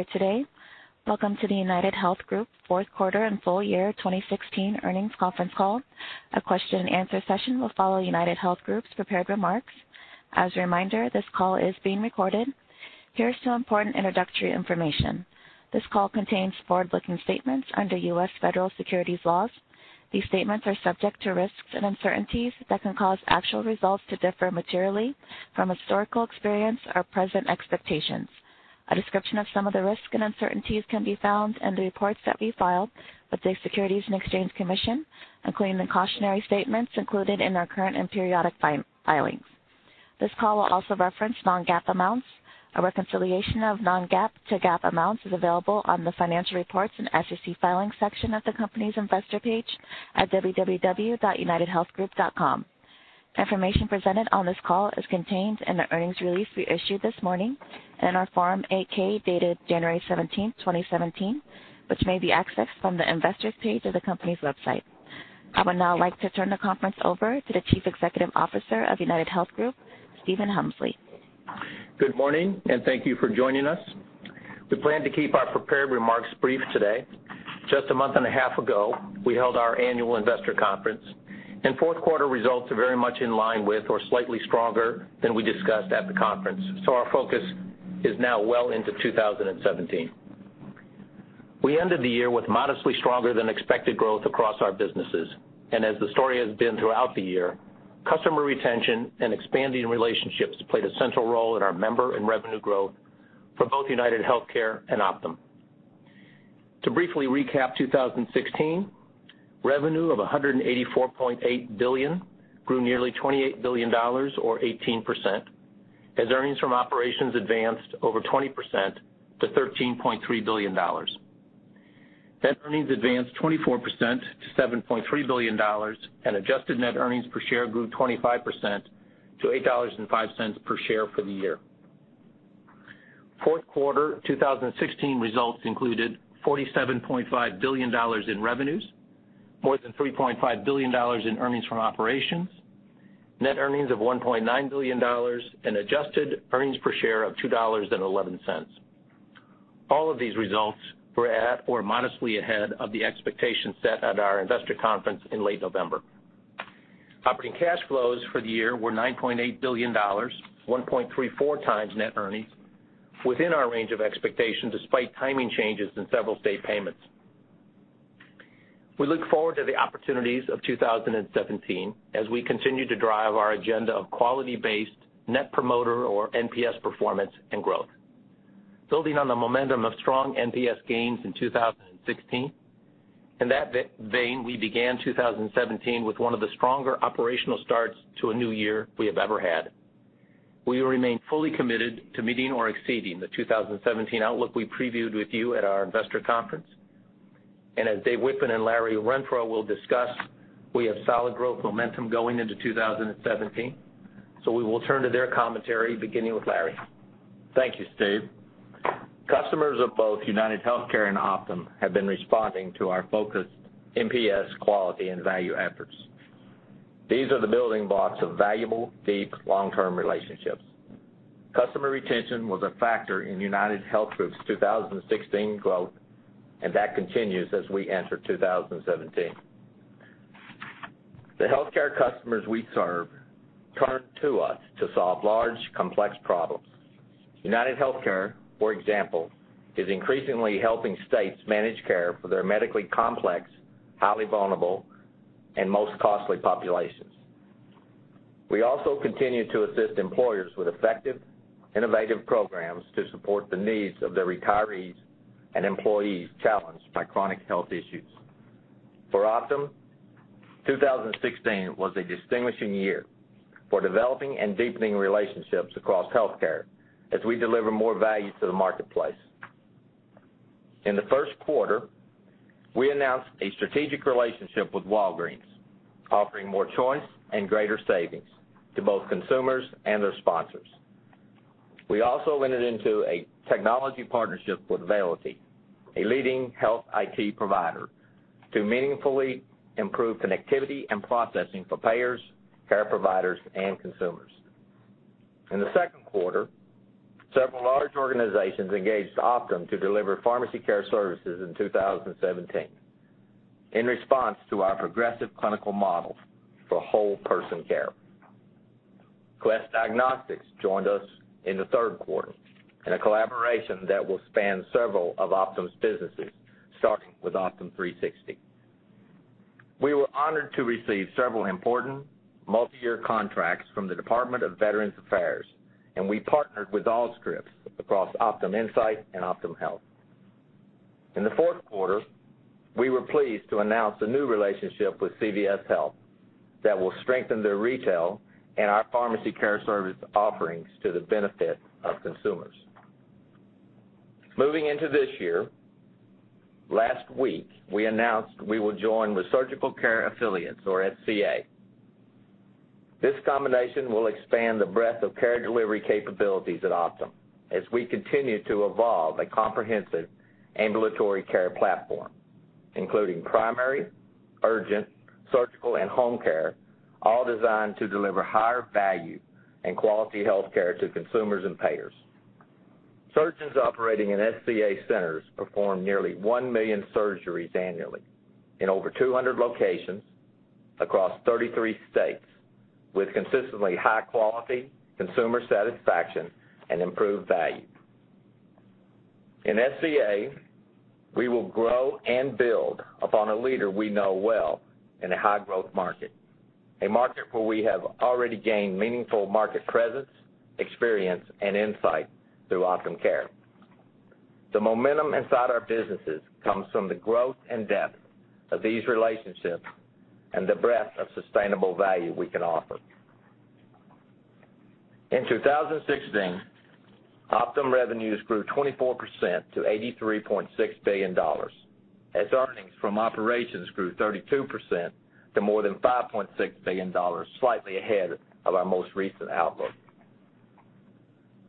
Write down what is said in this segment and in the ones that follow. Here today. Welcome to the UnitedHealth Group fourth quarter and full year 2016 earnings conference call. A question and answer session will follow UnitedHealth Group's prepared remarks. As a reminder, this call is being recorded. Here is some important introductory information. This call contains forward-looking statements under U.S. federal securities laws. These statements are subject to risks and uncertainties that can cause actual results to differ materially from historical experience or present expectations. A description of some of the risks and uncertainties can be found in the reports that we filed with the Securities and Exchange Commission, including the cautionary statements included in our current and periodic filings. This call will also reference non-GAAP amounts. A reconciliation of non-GAAP to GAAP amounts is available on the financial reports and SEC filings section of the company's investor page at www.unitedhealthgroup.com. Information presented on this call is contained in the earnings release we issued this morning and our Form 8-K, dated January 17, 2017, which may be accessed from the investors page of the company's website. I would now like to turn the conference over to the Chief Executive Officer of UnitedHealth Group, Stephen Hemsley. Good morning. Thank you for joining us. We plan to keep our prepared remarks brief today. Just a month and a half ago, we held our annual investor conference and fourth quarter results are very much in line with or slightly stronger than we discussed at the conference. Our focus is now well into 2017. We ended the year with modestly stronger than expected growth across our businesses. As the story has been throughout the year, customer retention and expanding relationships played a central role in our member and revenue growth for both UnitedHealthcare and Optum. To briefly recap 2016, revenue of $184.8 billion grew nearly $28 billion or 18%, as earnings from operations advanced over 20% to $13.3 billion. Net earnings advanced 24% to $7.3 billion and adjusted net earnings per share grew 25% to $8.05 per share for the year. Fourth quarter 2016 results included $47.5 billion in revenues, more than $3.5 billion in earnings from operations, net earnings of $1.9 billion and adjusted earnings per share of $2.11. All of these results were at or modestly ahead of the expectations set at our investor conference in late November. Operating cash flows for the year were $9.8 billion, 1.34 times net earnings, within our range of expectations despite timing changes in several state payments. We look forward to the opportunities of 2017 as we continue to drive our agenda of quality-based net promoter or NPS performance and growth. Building on the momentum of strong NPS gains in 2016, in that vein, we began 2017 with one of the stronger operational starts to a new year we have ever had. We remain fully committed to meeting or exceeding the 2017 outlook we previewed with you at our investor conference. As Dave Wichmann and Larry Renfro will discuss, we have solid growth momentum going into 2017. We will turn to their commentary beginning with Larry. Thank you, Steve. Customers of both UnitedHealthcare and Optum have been responding to our focused NPS quality and value efforts. These are the building blocks of valuable, deep, long-term relationships. Customer retention was a factor in UnitedHealth Group's 2016 growth, and that continues as we enter 2017. The healthcare customers we serve turn to us to solve large, complex problems. UnitedHealthcare, for example, is increasingly helping states manage care for their medically complex, highly vulnerable, and most costly populations. We also continue to assist employers with effective, innovative programs to support the needs of their retirees and employees challenged by chronic health issues. For Optum, 2016 was a distinguishing year for developing and deepening relationships across healthcare as we deliver more value to the marketplace. In the first quarter, we announced a strategic relationship with Walgreens, offering more choice and greater savings to both consumers and their sponsors. We also went into a technology partnership with Validic, a leading health IT provider, to meaningfully improve connectivity and processing for payers, care providers, and consumers. In the second quarter, several large organizations engaged Optum to deliver pharmacy care services in 2017 in response to our progressive clinical model for whole person care. Quest Diagnostics joined us in the third quarter in a collaboration that will span several of Optum's businesses, starting with Optum360. We were honored to receive several important multi-year contracts from the Department of Veterans Affairs, and we partnered with Allscripts across Optum Insight and Optum Health. In the fourth quarter, we were pleased to announce a new relationship with CVS Health that will strengthen their retail and our pharmacy care service offerings to the benefit of consumers. Moving into this year, last week, we announced we will join with Surgical Care Affiliates or SCA. This combination will expand the breadth of care delivery capabilities at Optum as we continue to evolve a comprehensive ambulatory care platform including primary, urgent, surgical, and home care, all designed to deliver higher value and quality healthcare to consumers and payers. Surgeons operating in SCA centers perform nearly 1 million surgeries annually in over 200 locations across 33 states, with consistently high quality, consumer satisfaction, and improved value. In SCA, we will grow and build upon a leader we know well in a high-growth market, a market where we have already gained meaningful market presence, experience, and insight through Optum Care. The momentum inside our businesses comes from the growth and depth of these relationships and the breadth of sustainable value we can offer. In 2016, Optum revenues grew 24% to $83.6 billion, as earnings from operations grew 32% to more than $5.6 billion, slightly ahead of our most recent outlook.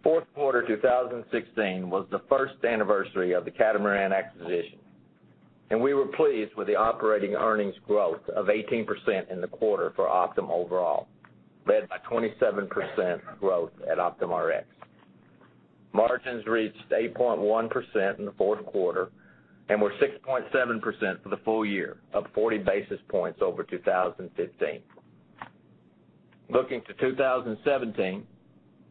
Fourth quarter 2016 was the first anniversary of the Catamaran acquisition, and we were pleased with the operating earnings growth of 18% in the quarter for Optum overall, led by 27% growth at Optum Rx. Margins reached 8.1% in the fourth quarter and were 6.7% for the full year, up 40 basis points over 2015. Looking to 2017,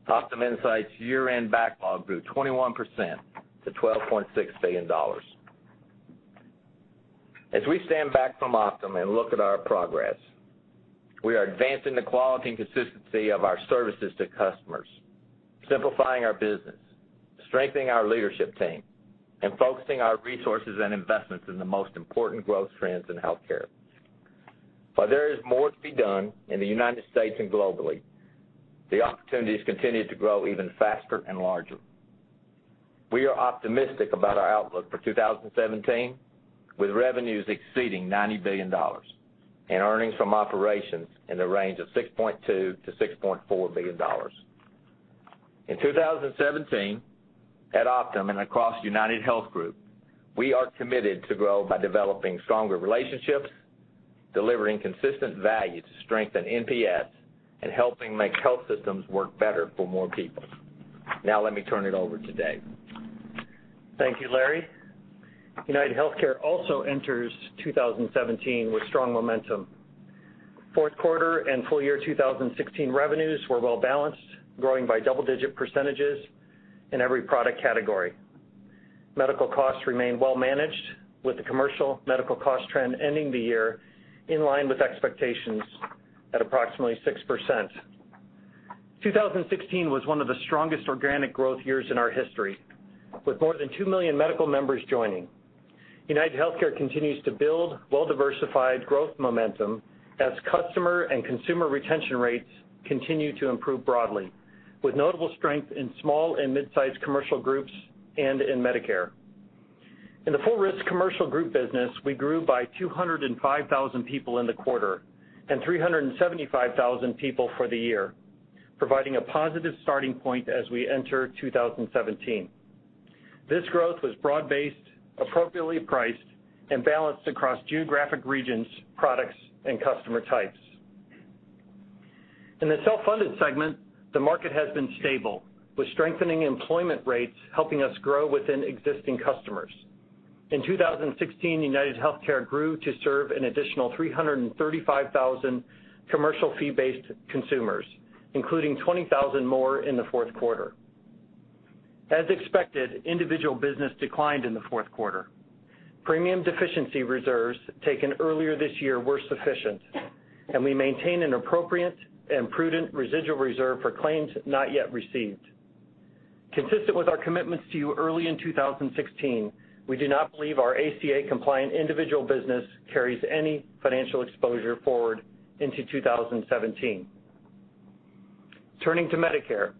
Optum Insight year-end backlog grew 21% to $12.6 billion. As we stand back from Optum and look at our progress, we are advancing the quality and consistency of our services to customers, simplifying our business, strengthening our leadership team, and focusing our resources and investments in the most important growth trends in healthcare. While there is more to be done in the U.S. and globally, the opportunities continue to grow even faster and larger. We are optimistic about our outlook for 2017, with revenues exceeding $90 billion and earnings from operations in the range of $6.2 billion to $6.4 billion. In 2017, at Optum and across UnitedHealth Group, we are committed to grow by developing stronger relationships, delivering consistent value to strengthen NPS, and helping make health systems work better for more people. Now let me turn it over to Dave. Thank you, Larry. UnitedHealthcare also enters 2017 with strong momentum. Fourth quarter and full year 2016 revenues were well-balanced, growing by double-digit percentages in every product category. Medical costs remain well managed, with the commercial medical cost trend ending the year in line with expectations at approximately 6%. 2016 was one of the strongest organic growth years in our history, with more than 2 million medical members joining. UnitedHealthcare continues to build well-diversified growth momentum as customer and consumer retention rates continue to improve broadly, with notable strength in small and mid-sized commercial groups and in Medicare. In the full risk commercial group business, we grew by 205,000 people in the quarter and 375,000 people for the year, providing a positive starting point as we enter 2017. This growth was broad-based, appropriately priced, and balanced across geographic regions, products, and customer types. In the self-funded segment, the market has been stable, with strengthening employment rates helping us grow within existing customers. In 2016, UnitedHealthcare grew to serve an additional 335,000 commercial fee-based consumers, including 20,000 more in the fourth quarter. As expected, individual business declined in the fourth quarter. Premium deficiency reserves taken earlier this year were sufficient, and we maintain an appropriate and prudent residual reserve for claims not yet received. Consistent with our commitments to you early in 2016, we do not believe our ACA-compliant individual business carries any financial exposure forward into 2017. Turning to Medicare,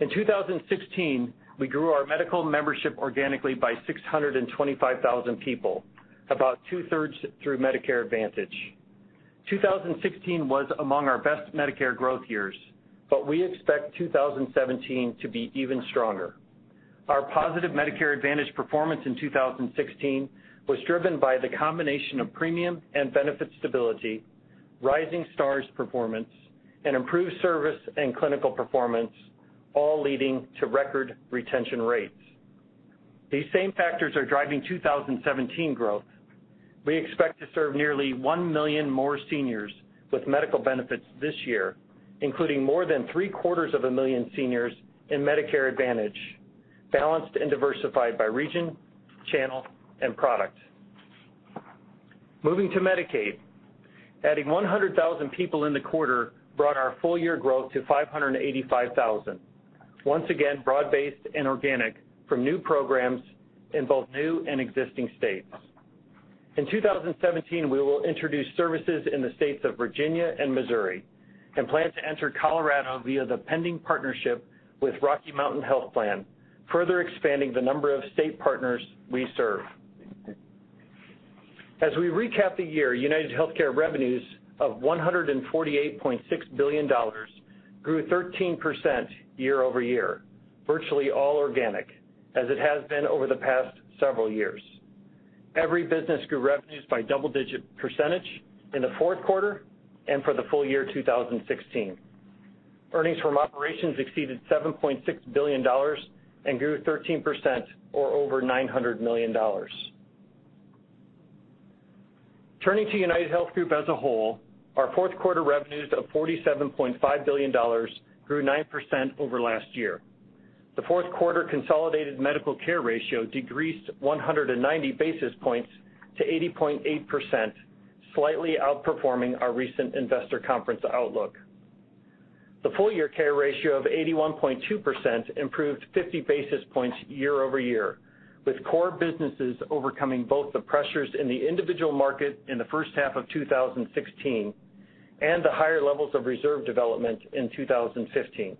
in 2016, we grew our medical membership organically by 625,000 people, about two-thirds through Medicare Advantage. 2016 was among our best Medicare growth years, but we expect 2017 to be even stronger. Our positive Medicare Advantage performance in 2016 was driven by the combination of premium and benefit stability, rising stars performance, and improved service and clinical performance, all leading to record retention rates. These same factors are driving 2017 growth. We expect to serve nearly 1 million more seniors with medical benefits this year, including more than three-quarters of a million seniors in Medicare Advantage, balanced and diversified by region, channel, and product. Moving to Medicaid, adding 100,000 people in the quarter brought our full-year growth to 585,000. Once again, broad-based and organic from new programs in both new and existing states. In 2017, we will introduce services in the states of Virginia and Missouri, and plan to enter Colorado via the pending partnership with Rocky Mountain Health Plan, further expanding the number of state partners we serve. As we recap the year, UnitedHealthcare revenues of $148.6 billion grew 13% year-over-year, virtually all organic, as it has been over the past several years. Every business grew revenues by double-digit percentage in the fourth quarter and for the full year 2016. Earnings from operations exceeded $7.6 billion and grew 13%, or over $900 million. Turning to UnitedHealth Group as a whole, our fourth quarter revenues of $47.5 billion grew 9% over last year. The fourth quarter consolidated medical care ratio decreased 190 basis points to 80.8%, slightly outperforming our recent investor conference outlook. The full-year care ratio of 81.2% improved 50 basis points year-over-year, with core businesses overcoming both the pressures in the individual market in the first half of 2016 and the higher levels of reserve development in 2015.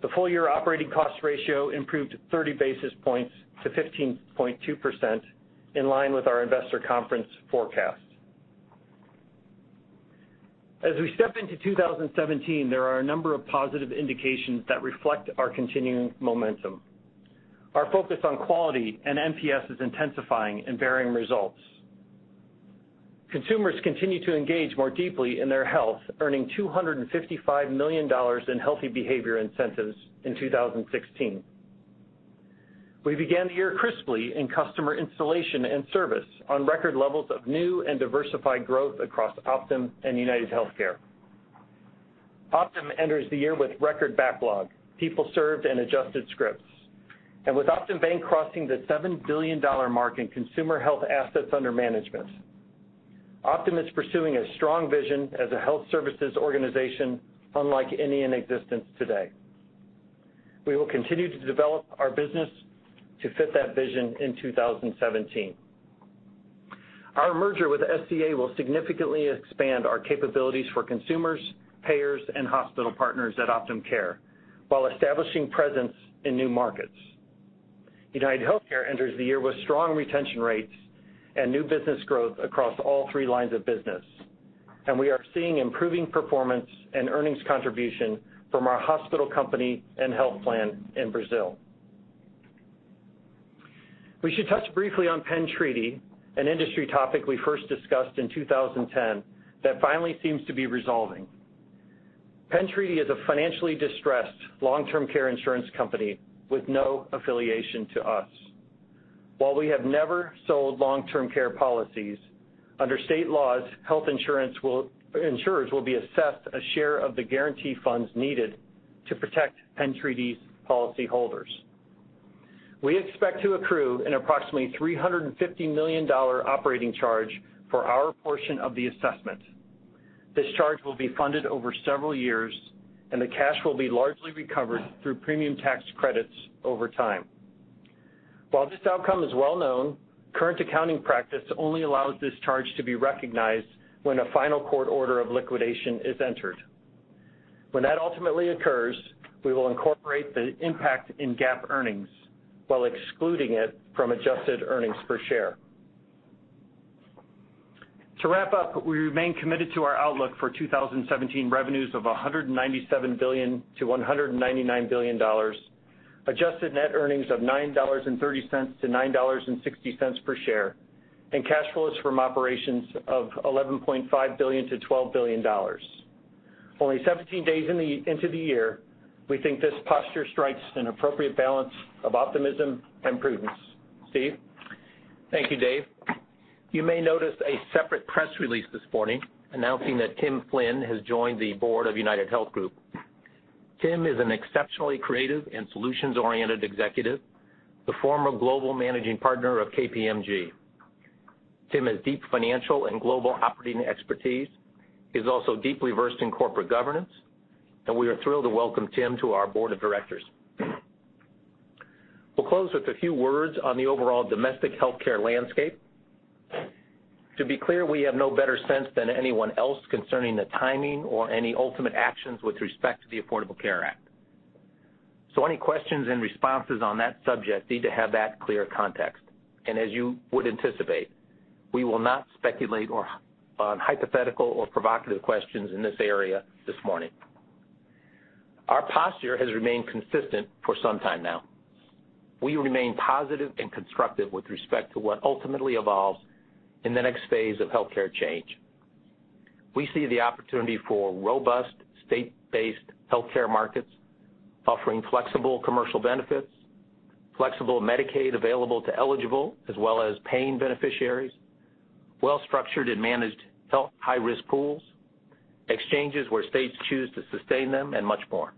The full-year operating cost ratio improved 30 basis points to 15.2%, in line with our investor conference forecast. As we step into 2017, there are a number of positive indications that reflect our continuing momentum. Our focus on quality and NPS is intensifying and bearing results. Consumers continue to engage more deeply in their health, earning $255 million in healthy behavior incentives in 2016. We began the year crisply in customer installation and service on record levels of new and diversified growth across Optum and UnitedHealthcare. Optum enters the year with record backlog, people served and adjusted scripts. With Optum Bank crossing the $7 billion mark in consumer health assets under management, Optum is pursuing a strong vision as a health services organization unlike any in existence today. We will continue to develop our business to fit that vision in 2017. Our merger with SCA will significantly expand our capabilities for consumers, payers, and hospital partners at OptumCare while establishing presence in new markets. UnitedHealthcare enters the year with strong retention rates and new business growth across all three lines of business. We are seeing improving performance and earnings contribution from our hospital company and health plan in Brazil. We should touch briefly on Penn Treaty, an industry topic we first discussed in 2010 that finally seems to be resolving. Penn Treaty is a financially distressed long-term care insurance company with no affiliation to us. While we have never sold long-term care policies, under state laws, health insurers will be assessed a share of the guarantee funds needed to protect Penn Treaty's policyholders. We expect to accrue an approximately $350 million operating charge for our portion of the assessment. This charge will be funded over several years, and the cash will be largely recovered through premium tax credits over time. While this outcome is well-known, current accounting practice only allows this charge to be recognized when a final court order of liquidation is entered. When that ultimately occurs, we will incorporate the impact in GAAP earnings while excluding it from adjusted earnings per share. To wrap up, we remain committed to our outlook for 2017 revenues of $197 billion-$199 billion, adjusted net earnings of $9.30-$9.60 per share, and cash flows from operations of $11.5 billion-$12 billion. Only 17 days into the year, we think this posture strikes an appropriate balance of optimism and prudence. Steve? Thank you, Dave. You may notice a separate press release this morning announcing that Tim Flynn has joined the board of UnitedHealth Group. Tim is an exceptionally creative and solutions-oriented executive, the former global managing partner of KPMG. Tim has deep financial and global operating expertise, is also deeply versed in corporate governance, and we are thrilled to welcome Tim to our board of directors. We'll close with a few words on the overall domestic healthcare landscape. To be clear, we have no better sense than anyone else concerning the timing or any ultimate actions with respect to the Affordable Care Act. Any questions and responses on that subject need to have that clear context. As you would anticipate, we will not speculate on hypothetical or provocative questions in this area this morning. Our posture has remained consistent for some time now. We remain positive and constructive with respect to what ultimately evolves in the next phase of healthcare change. We see the opportunity for robust state-based healthcare markets offering flexible commercial benefits, flexible Medicaid available to eligible as well as paying beneficiaries, well-structured and managed health high-risk pools, exchanges where states choose to sustain them, and much more.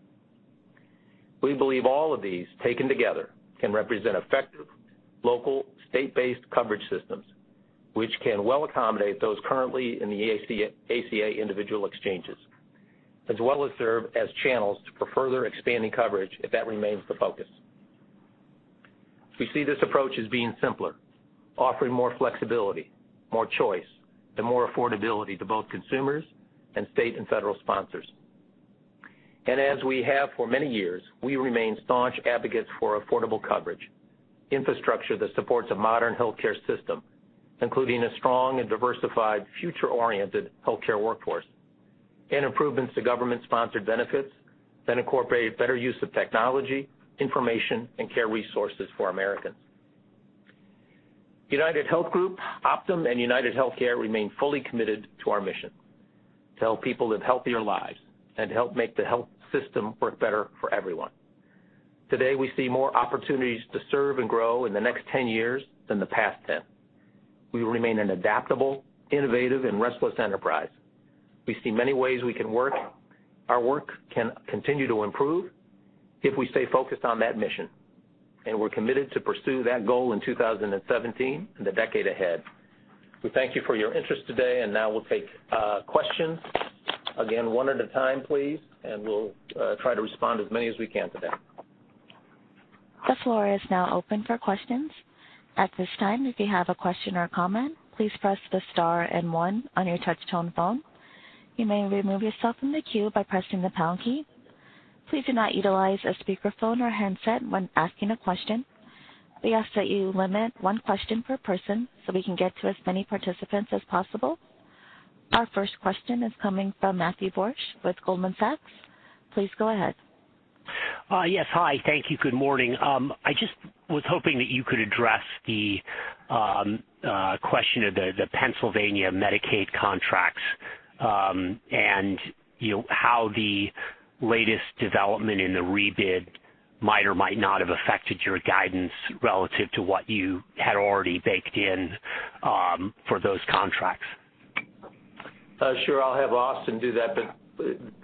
We believe all of these, taken together, can represent effective local state-based coverage systems, which can well accommodate those currently in the ACA individual exchanges, as well as serve as channels for further expanding coverage if that remains the focus. We see this approach as being simpler, offering more flexibility, more choice, and more affordability to both consumers and state and federal sponsors. As we have for many years, we remain staunch advocates for affordable coverage. Infrastructure that supports a modern healthcare system, including a strong and diversified future-oriented healthcare workforce, and improvements to government-sponsored benefits that incorporate better use of technology, information, and care resources for Americans. UnitedHealth Group, Optum, and UnitedHealthcare remain fully committed to our mission to help people live healthier lives and to help make the health system work better for everyone. Today, we see more opportunities to serve and grow in the next 10 years than the past 10. We remain an adaptable, innovative, and restless enterprise. We see many ways our work can continue to improve if we stay focused on that mission, we're committed to pursue that goal in 2017 and the decade ahead. We thank you for your interest today, now we'll take questions. Again, one at a time, please, we'll try to respond to as many as we can today. The floor is now open for questions. At this time, if you have a question or comment, please press the star and 1 on your touch-tone phone. You may remove yourself from the queue by pressing the pound key. Please do not utilize a speakerphone or handset when asking a question. We ask that you limit 1 question per person so we can get to as many participants as possible. Our first question is coming from Matthew Borsch with Goldman Sachs. Please go ahead. Yes, hi. Thank you. Good morning. I just was hoping that you could address the question of the Pennsylvania Medicaid contracts, how the latest development in the rebid might or might not have affected your guidance relative to what you had already baked in for those contracts. Sure. I'll have [Austin] do that,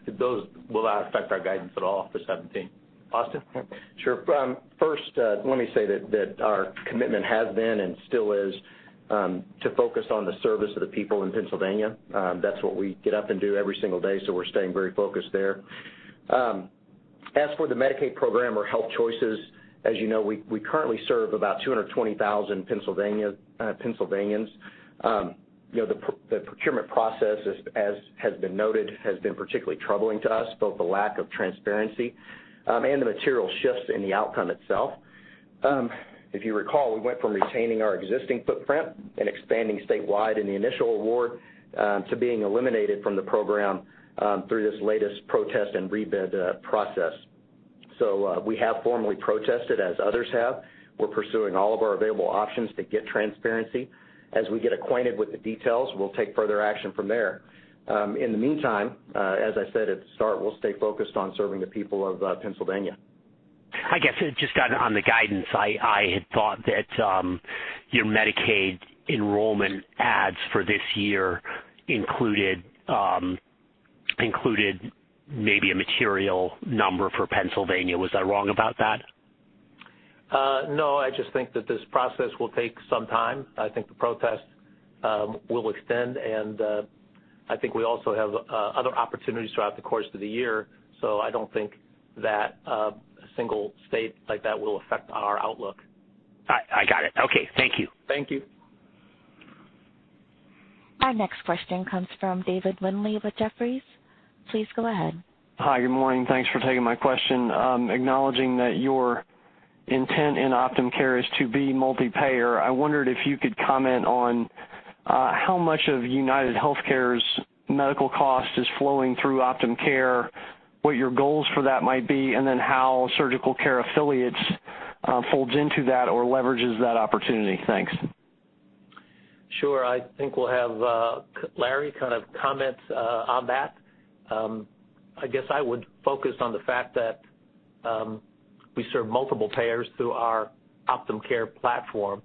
those will not affect our guidance at all for 2017. [Austin]? Sure. First, let me say that our commitment has been and still is to focus on the service of the people in Pennsylvania. That's what we get up and do every single day, we're staying very focused there. As for the Medicaid program or HealthChoices, as you know, we currently serve about 220,000 Pennsylvanians. The procurement process, as has been noted, has been particularly troubling to us, both the lack of transparency and the material shifts in the outcome itself. If you recall, we went from retaining our existing footprint and expanding statewide in the initial award to being eliminated from the program through this latest protest and rebid process. We have formally protested, as others have. We're pursuing all of our available options to get transparency. As we get acquainted with the details, we'll take further action from there. In the meantime, as I said at the start, we'll stay focused on serving the people of Pennsylvania. I guess, just on the guidance, I had thought that your Medicaid enrollment adds for this year included maybe a material number for Pennsylvania. Was I wrong about that? No. I just think that this process will take some time. I think the protest will extend, and I think we also have other opportunities throughout the course of the year, so I don't think that a single state like that will affect our outlook. I got it. Okay. Thank you. Thank you. Our next question comes from David Windley with Jefferies. Please go ahead. Hi. Good morning. Thanks for taking my question. Acknowledging that your intent in Optum Care is to be multi-payer, I wondered if you could comment on how much of UnitedHealthcare's medical cost is flowing through Optum Care, what your goals for that might be, and how Surgical Care Affiliates folds into that or leverages that opportunity. Thanks. Sure. I think we'll have Larry kind of comment on that. I guess I would focus on the fact that we serve multiple payers through our Optum Care platform.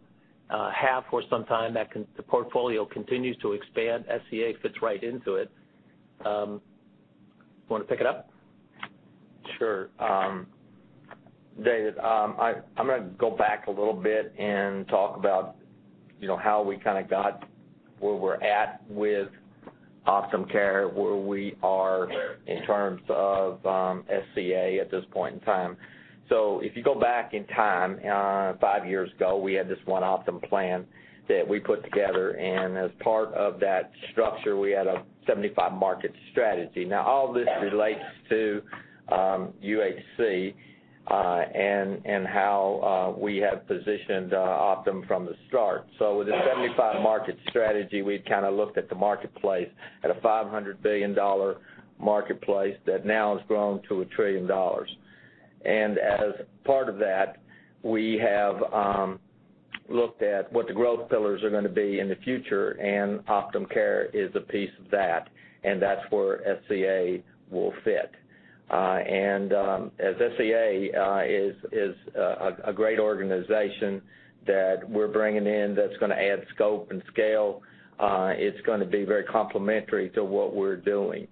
Have for some time. The portfolio continues to expand. SCA fits right into it. You want to pick it up? Sure. David, I'm going to go back a little bit and talk about how we kind of got where we're at with Optum Care, where we are in terms of SCA at this point in time. If you go back in time, 5 years ago, we had this one Optum plan that we put together, and as part of that structure, we had a 75-market strategy. All this relates to UHC and how we have positioned Optum from the start. With the 75-market strategy, we kind of looked at the marketplace at a $500 billion marketplace that now has grown to a trillion dollars. As part of that, we have looked at what the growth pillars are going to be in the future, and Optum Care is a piece of that, and that's where SCA will fit. As SCA is a great organization that we're bringing in that's going to add scope and scale, it's going to be very complementary to what we're doing.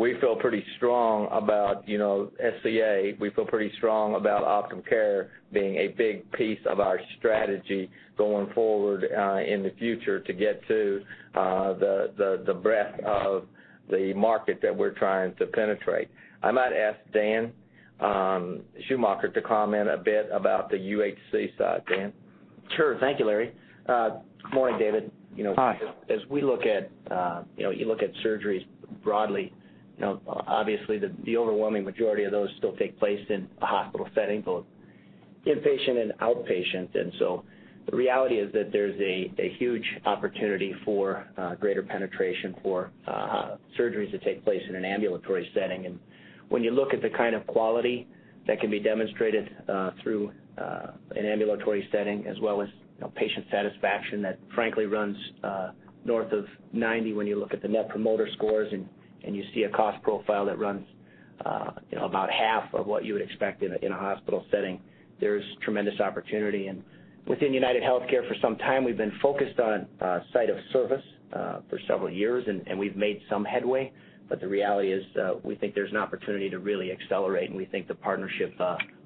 We feel pretty strong about SCA. We feel pretty strong about Optum Care being a big piece of our strategy going forward in the future to get to the breadth of the market that we're trying to penetrate. I might ask Dan Schumacher to comment a bit about the UHC side. Dan? Sure. Thank you, Larry. Morning, David. Hi. As we look at surgeries broadly, obviously the overwhelming majority of those still take place in a hospital setting, both inpatient and outpatient. The reality is that there's a huge opportunity for greater penetration for surgeries that take place in an ambulatory setting. When you look at the kind of quality that can be demonstrated through an ambulatory setting, as well as patient satisfaction that frankly runs north of 90 when you look at the net promoter scores, and you see a cost profile that runs about half of what you would expect in a hospital setting, there's tremendous opportunity. Within UnitedHealthcare, for some time, we've been focused on site of service for several years, and we've made some headway. The reality is, we think there's an opportunity to really accelerate, and we think the partnership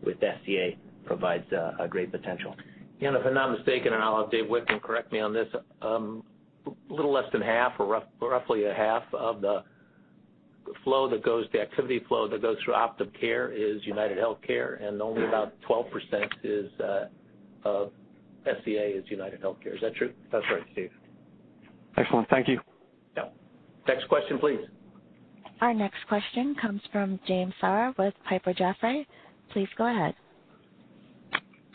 with SCA provides a great potential. if I'm not mistaken, I'll have Dave Wichmann correct me on this, a little less than half or roughly a half of the activity flow that goes through OptumCare is UnitedHealthcare, and only about 12% of SCA is UnitedHealthcare. Is that true? That's right, Steve. Excellent. Thank you. Yeah. Next question, please. Our next question comes from Sarah James with Piper Jaffray. Please go ahead.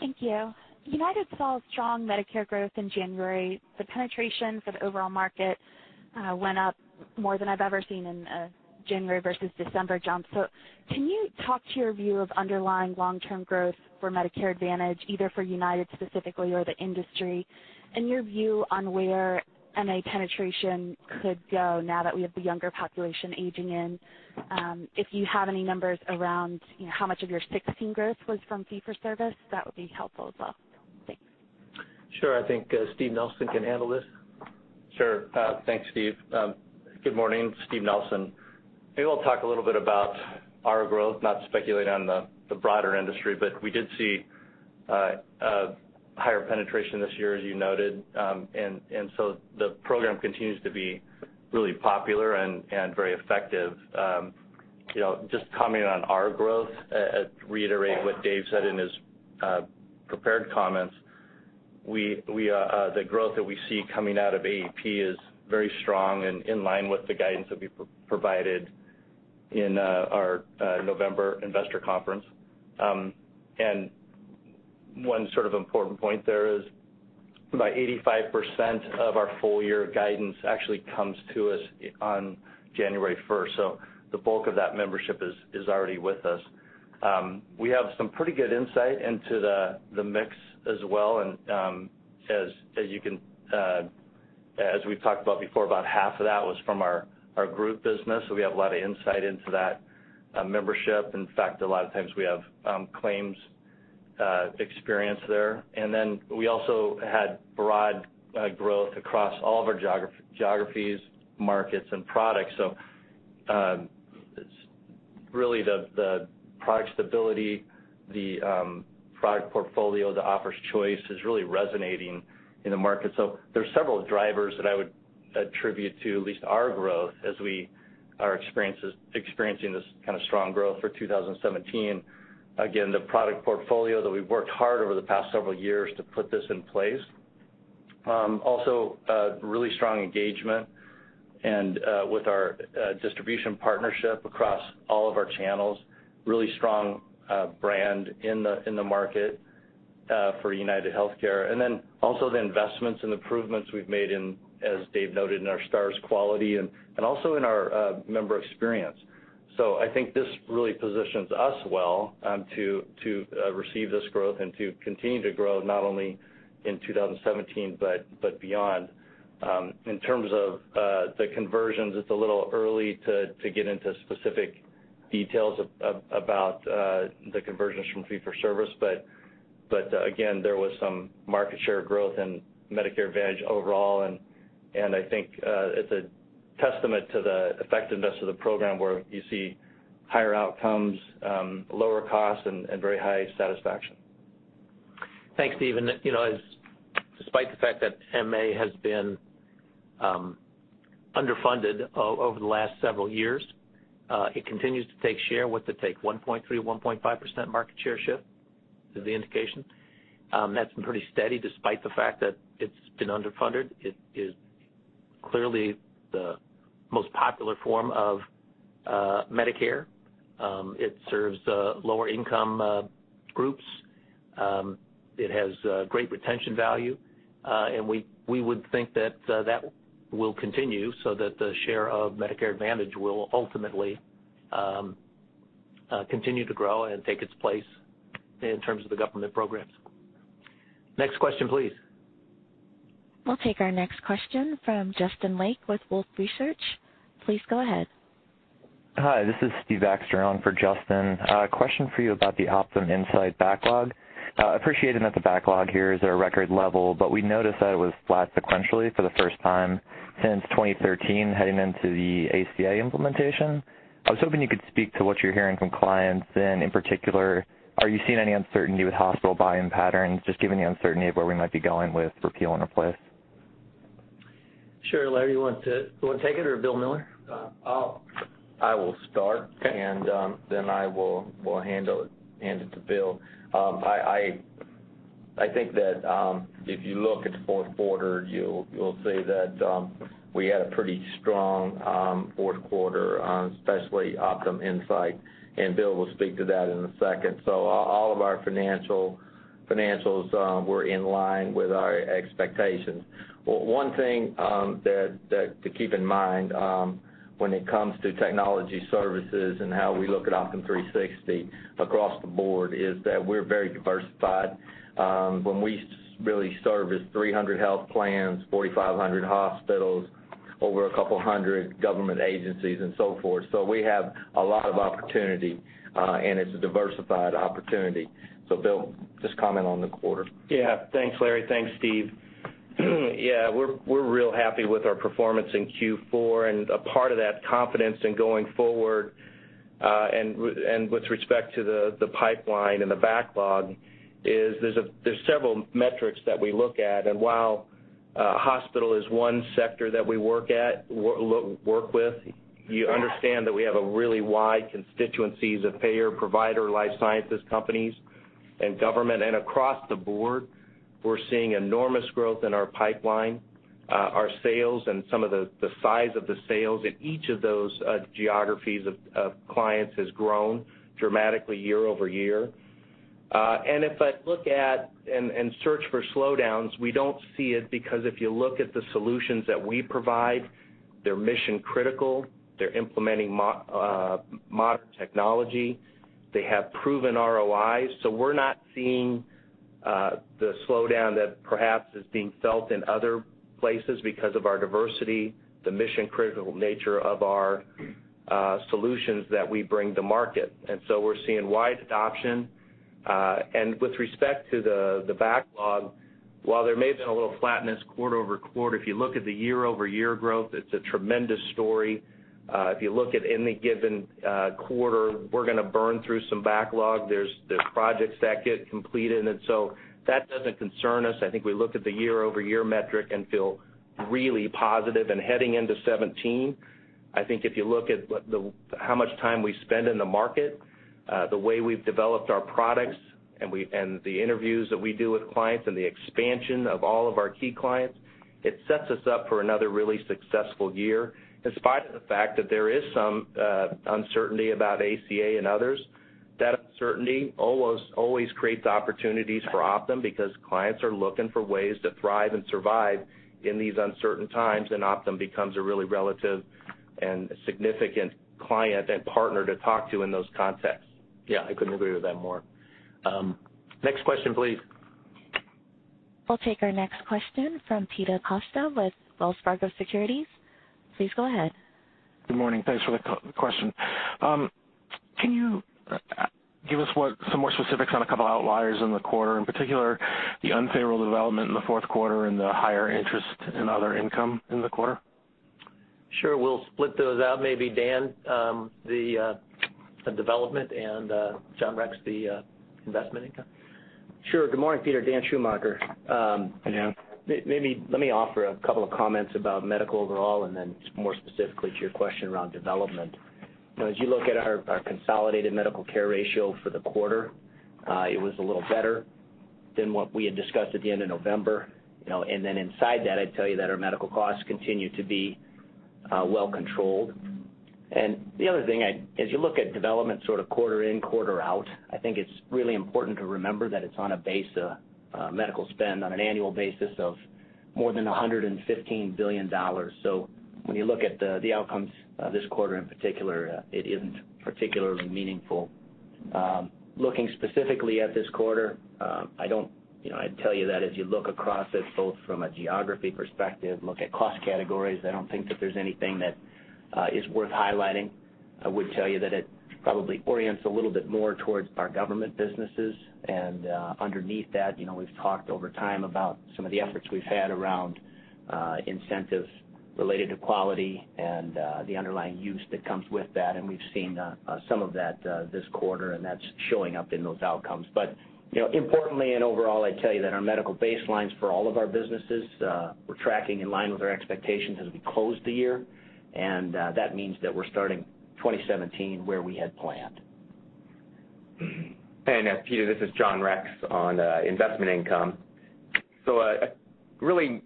Thank you. United saw strong Medicare growth in January. The penetration for the overall market went up more than I've ever seen in a January versus December jump. Can you talk to your view of underlying long-term growth for Medicare Advantage, either for United specifically or the industry, and your view on where MA penetration could go now that we have the younger population aging in? If you have any numbers around how much of your 2016 growth was from fee for service, that would be helpful as well. Thanks. Sure. I think Steve Nelson can handle this. Sure. Thanks, Steve. Good morning. Steve Nelson. Maybe I'll talk a little bit about our growth, not speculate on the broader industry, but we did see a higher penetration this year, as you noted. The program continues to be really popular and very effective. Just commenting on our growth, reiterate what Dave said in his prepared comments, the growth that we see coming out of AEP is very strong and in line with the guidance that we provided in our November investor conference. One sort of important point there is about 85% of our full year guidance actually comes to us on January 1st. The bulk of that membership is already with us. We have some pretty good insight into the mix as well. As we've talked about before, about half of that was from our group business, so we have a lot of insight into that membership. In fact, a lot of times we have claims experience there. Then we also had broad growth across all of our geographies, markets, and products. Really the product stability, the product portfolio that offers choice is really resonating in the market. There's several drivers that I would attribute to at least our growth as we are experiencing this kind of strong growth for 2017. Again, the product portfolio that we've worked hard over the past several years to put this in place. Really strong engagement with our distribution partnership across all of our channels, really strong brand in the market for UnitedHealthcare, then also the investments and improvements we've made in, as Dave noted, in our stars quality and also in our member experience. I think this really positions us well to receive this growth and to continue to grow not only in 2017 but beyond. In terms of the conversions, it's a little early to get into specific details about the conversions from fee for service. Again, there was some market share growth in Medicare Advantage overall, and I think it's a testament to the effectiveness of the program where you see higher outcomes, lower costs and very high satisfaction. Thanks, Stephen. Despite the fact that MA has been underfunded over the last several years, it continues to take share. What's it take? 1.3%, 1.5% market share shift is the indication. That's been pretty steady despite the fact that it's been underfunded. It is clearly the most popular form of Medicare. It serves lower income groups. It has great retention value. We would think that will continue so that the share of Medicare Advantage will ultimately continue to grow and take its place in terms of the government programs. Next question, please. We'll take our next question from Justin Lake with Wolfe Research. Please go ahead. Hi, this is Steve Baxter on for Justin. A question for you about the Optum Insight backlog. Appreciating that the backlog here is at a record level, but we noticed that it was flat sequentially for the first time since 2013 heading into the ACA implementation. I was hoping you could speak to what you're hearing from clients, and in particular, are you seeing any uncertainty with hospital buying patterns, just given the uncertainty of where we might be going with repeal and replace? Sure, Larry, you want to take it or Bill Miller? I will start. Okay. I will hand it to Bill. I think that if you look at the fourth quarter, you'll see that we had a pretty strong fourth quarter on especially Optum Insight, and Bill will speak to that in a second. All of our financials were in line with our expectations. One thing to keep in mind when it comes to technology services and how we look at Optum360 across the board is that we're very diversified. When we really service 300 health plans, 4,500 hospitals, over a couple hundred government agencies and so forth. We have a lot of opportunity, and it's a diversified opportunity. Bill, just comment on the quarter. Thanks, Larry. Thanks, Steve. We're real happy with our performance in Q4. A part of that confidence in going forward, with respect to the pipeline and the backlog is, there's several metrics that we look at. While a hospital is one sector that we work with, you understand that we have a really wide constituencies of payer, provider, life sciences companies, and government. Across the board, we're seeing enormous growth in our pipeline. Our sales and some of the size of the sales in each of those geographies of clients has grown dramatically year-over-year. If I look at and search for slowdowns, we don't see it because if you look at the solutions that we provide, they're mission-critical, they're implementing modern technology. They have proven ROIs. We're not seeing the slowdown that perhaps is being felt in other places because of our diversity, the mission-critical nature of our solutions that we bring to market. We're seeing wide adoption. With respect to the backlog, while there may have been a little flatness quarter-over-quarter, if you look at the year-over-year growth, it's a tremendous story. If you look at any given quarter, we're going to burn through some backlog. There's projects that get completed. That doesn't concern us. I think we look at the year-over-year metric and feel really positive. Heading into 2017, I think if you look at how much time we spend in the market, the way we've developed our products and the interviews that we do with clients and the expansion of all of our key clients, it sets us up for another really successful year. In spite of the fact that there is some uncertainty about ACA and others, that uncertainty always creates opportunities for Optum because clients are looking for ways to thrive and survive in these uncertain times. Optum becomes a really relative and significant client and partner to talk to in those contexts. I couldn't agree with that more. Next question, please. We'll take our next question from Peter Costa with Wells Fargo Securities. Please go ahead. Good morning. Thanks for the question. Can you give us some more specifics on a couple outliers in the quarter, in particular, the unfavorable development in the fourth quarter and the higher interest in other income in the quarter? Sure. We'll split those out. Maybe Dan, the development, and John Rex, the investment income. Sure. Good morning, Peter. Dan Schumacher. Hey, Dan. Let me offer a couple of comments about medical overall, then more specifically to your question around development. As you look at our consolidated medical care ratio for the quarter, it was a little better than what we had discussed at the end of November. Inside that, I'd tell you that our medical costs continue to be well controlled. The other thing, as you look at development sort of quarter in, quarter out, I think it's really important to remember that it's on a base medical spend on an annual basis of more than $115 billion. When you look at the outcomes this quarter in particular, it isn't particularly meaningful. Looking specifically at this quarter, I'd tell you that if you look across it both from a geography perspective, look at cost categories, I don't think that there's anything that is worth highlighting. I would tell you that it probably orients a little bit more towards our government businesses. Underneath that, we've talked over time about some of the efforts we've had around incentives related to quality and the underlying use that comes with that, we've seen some of that this quarter, and that's showing up in those outcomes. Importantly and overall, I'd tell you that our medical baselines for all of our businesses, we're tracking in line with our expectations as we close the year, and that means that we're starting 2017 where we had planned. Peter, this is John Rex on investment income. Really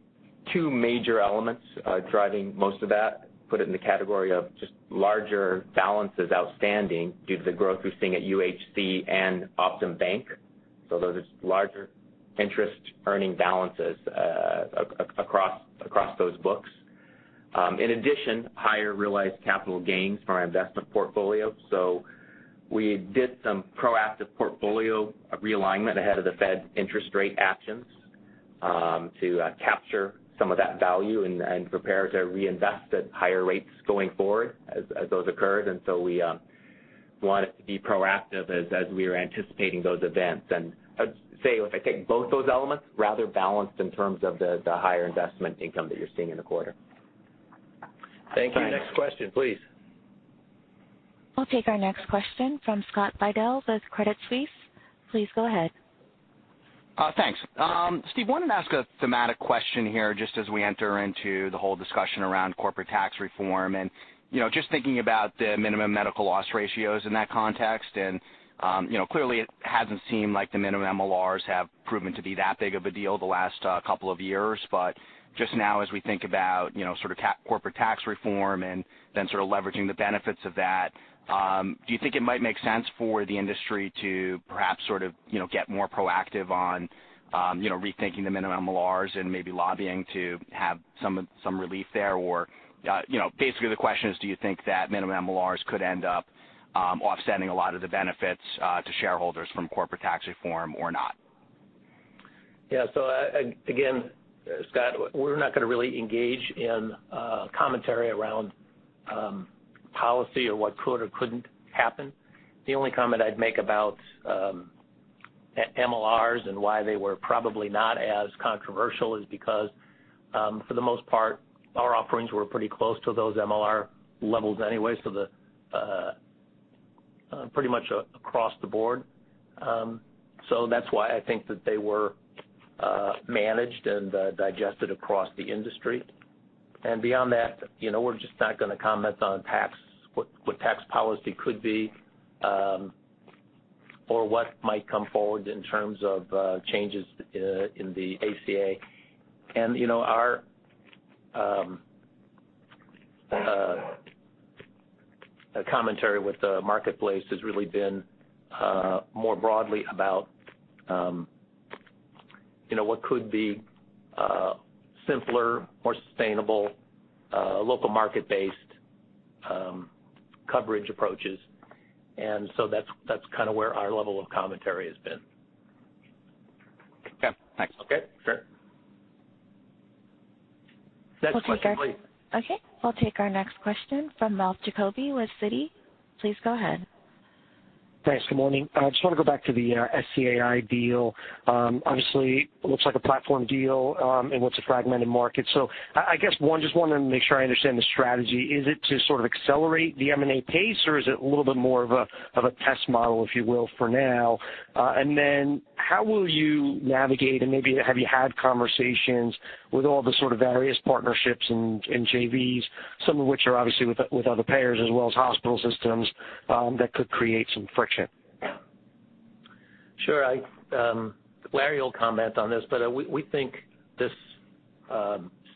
two major elements driving most of that, put it in the category of just larger balances outstanding due to the growth we're seeing at UHC and Optum Bank. Those larger interest-earning balances across those books. In addition, higher realized capital gains for our investment portfolio. We did some proactive portfolio realignment ahead of the Fed interest rate actions to capture some of that value and prepare to reinvest at higher rates going forward as those occurred. We wanted to be proactive as we were anticipating those events. I'd say if I take both those elements, rather balanced in terms of the higher investment income that you're seeing in the quarter. Thank you. Next question, please. We'll take our next question from Scott Fidel with Credit Suisse. Please go ahead. Thanks. Steve, wanted to ask a thematic question here just as we enter into the whole discussion around corporate tax reform and just thinking about the minimum medical loss ratios in that context, and clearly it hasn't seemed like the minimum MLRs have proven to be that big of a deal the last couple of years. Just now as we think about corporate tax reform and then sort of leveraging the benefits of that, do you think it might make sense for the industry to perhaps get more proactive on rethinking the minimum MLRs and maybe lobbying to have some relief there or basically the question is, do you think that minimum MLRs could end up offsetting a lot of the benefits to shareholders from corporate tax reform or not? Again, Scott Fidel, we're not going to really engage in commentary around policy or what could or couldn't happen. The only comment I'd make about MLRs and why they were probably not as controversial is because, for the most part, our offerings were pretty close to those MLR levels anyway, pretty much across the board. That's why I think that they were managed and digested across the industry. Beyond that, we're just not going to comment on what tax policy could be, or what might come forward in terms of changes in the ACA. Our commentary with the marketplace has really been more broadly about what could be simpler, more sustainable local market-based coverage approaches. That's kind of where our level of commentary has been. Thanks. Next question please. I'll take our next question from Ralph Giacobbe with Citi. Please go ahead. Thanks. Good morning. I just want to go back to the SCA deal. Obviously, looks like a platform deal in what's a fragmented market. I guess, one, just wanted to make sure I understand the strategy. Is it to sort of accelerate the M&A pace, or is it a little bit more of a test model, if you will, for now? How will you navigate, and maybe have you had conversations with all the sort of various partnerships and JVs, some of which are obviously with other payers as well as hospital systems, that could create some friction? Sure. Larry will comment on this, we think this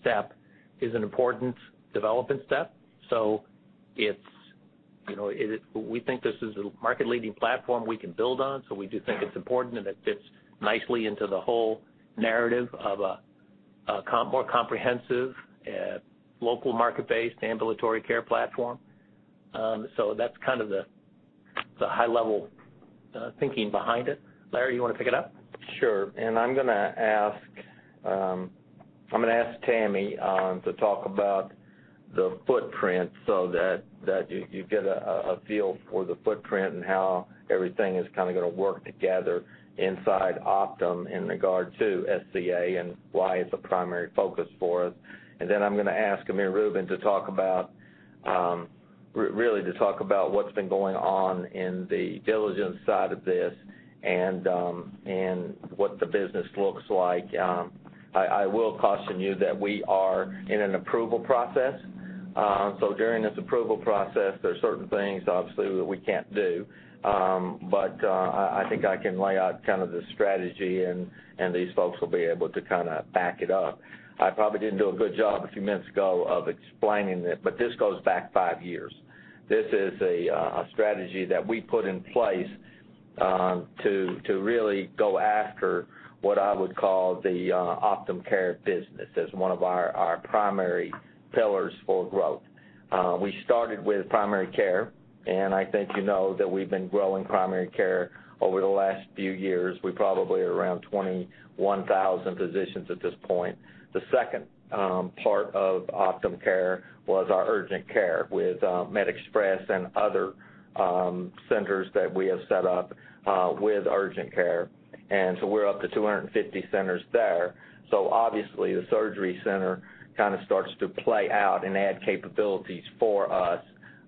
step is an important development step. We think this is a market leading platform we can build on, we do think it's important, and it fits nicely into the whole narrative of a more comprehensive local market-based ambulatory care platform. That's kind of the high level thinking behind it. Larry, you want to pick it up? Sure. I'm going to ask Tammy to talk about the footprint so that you get a feel for the footprint and how everything is going to work together inside Optum in regard to SCA and why it's a primary focus for us. I'm going to ask Amir Rubin to talk about what's been going on in the diligence side of this and what the business looks like. I will caution you that we are in an approval process. During this approval process, there are certain things, obviously, that we can't do. I think I can lay out kind of the strategy, and these folks will be able to kind of back it up. I probably didn't do a good job a few minutes ago of explaining it, this goes back five years. This is a strategy that we put in place to really go after what I would call the Optum Care business as one of our primary pillars for growth. We started with primary care, I think you know that we've been growing primary care over the last few years. We're probably around 21,000 physicians at this point. The second part of Optum Care was our urgent care with MedExpress and other centers that we have set up with urgent care. We're up to 250 centers there. Obviously the surgery center kind of starts to play out and add capabilities for us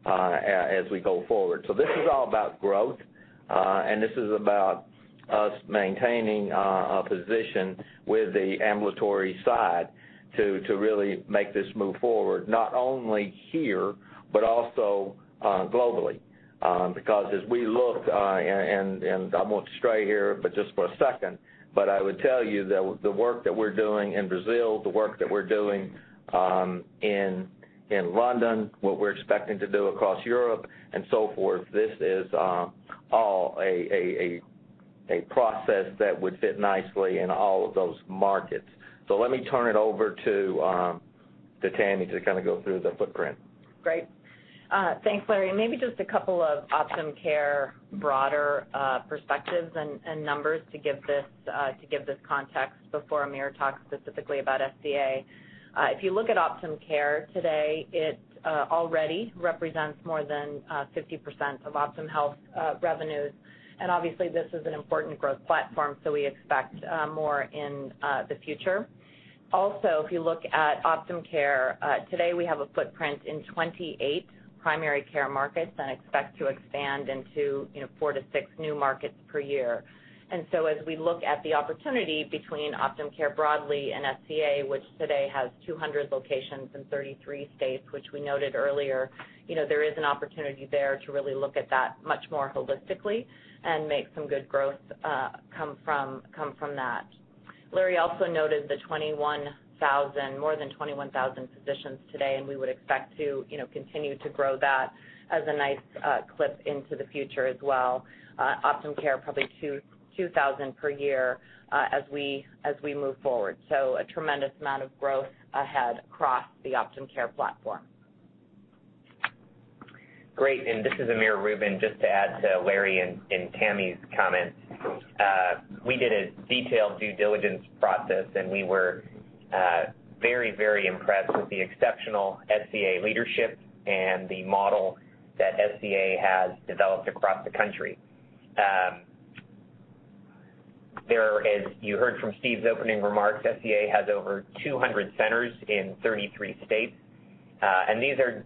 as we go forward. This is all about growth, this is about us maintaining a position with the ambulatory side to really make this move forward, not only here, but also globally. As we look, and I'm going to stray here, but just for a second, but I would tell you that the work that we're doing in Brazil, the work that we're doing in London, what we're expecting to do across Europe and so forth, this is all a process that would fit nicely in all of those markets. Let me turn it over to Tammy to kind of go through the footprint. Great. Thanks, Larry. Maybe just a couple of Optum Care broader perspectives and numbers to give this context before Amir talks specifically about SCA. If you look at Optum Care today, it already represents more than 50% of Optum Health revenues. Obviously this is an important growth platform, so we expect more in the future. If you look at Optum Care, today we have a footprint in 28 primary care markets and expect to expand into four to six new markets per year. As we look at the opportunity between Optum Care broadly and SCA, which today has 200 locations in 33 states, which we noted earlier, there is an opportunity there to really look at that much more holistically and make some good growth come from that. Larry also noted the more than 21,000 physicians today, we would expect to continue to grow that as a nice clip into the future as well. Optum Care, probably 2,000 per year, as we move forward. A tremendous amount of growth ahead across the Optum Care platform. Great. This is Amir Rubin. Just to add to Larry and Tammy's comments. We did a detailed due diligence process, we were very impressed with the exceptional SCA leadership and the model that SCA has developed across the country. As you heard from Steve's opening remarks, SCA has over 200 centers in 33 states. These are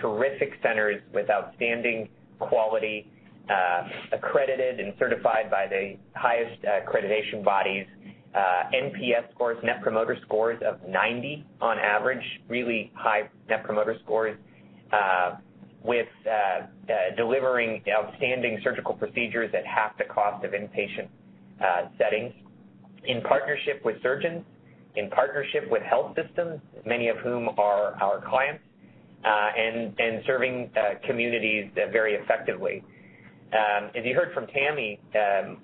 terrific centers with outstanding quality, accredited and certified by the highest accreditation bodies. NPS scores, net promoter scores, of 90 on average, really high net promoter scores, with delivering outstanding surgical procedures at half the cost of inpatient settings, in partnership with surgeons, in partnership with health systems, many of whom are our clients, serving communities very effectively. As you heard from Tammy,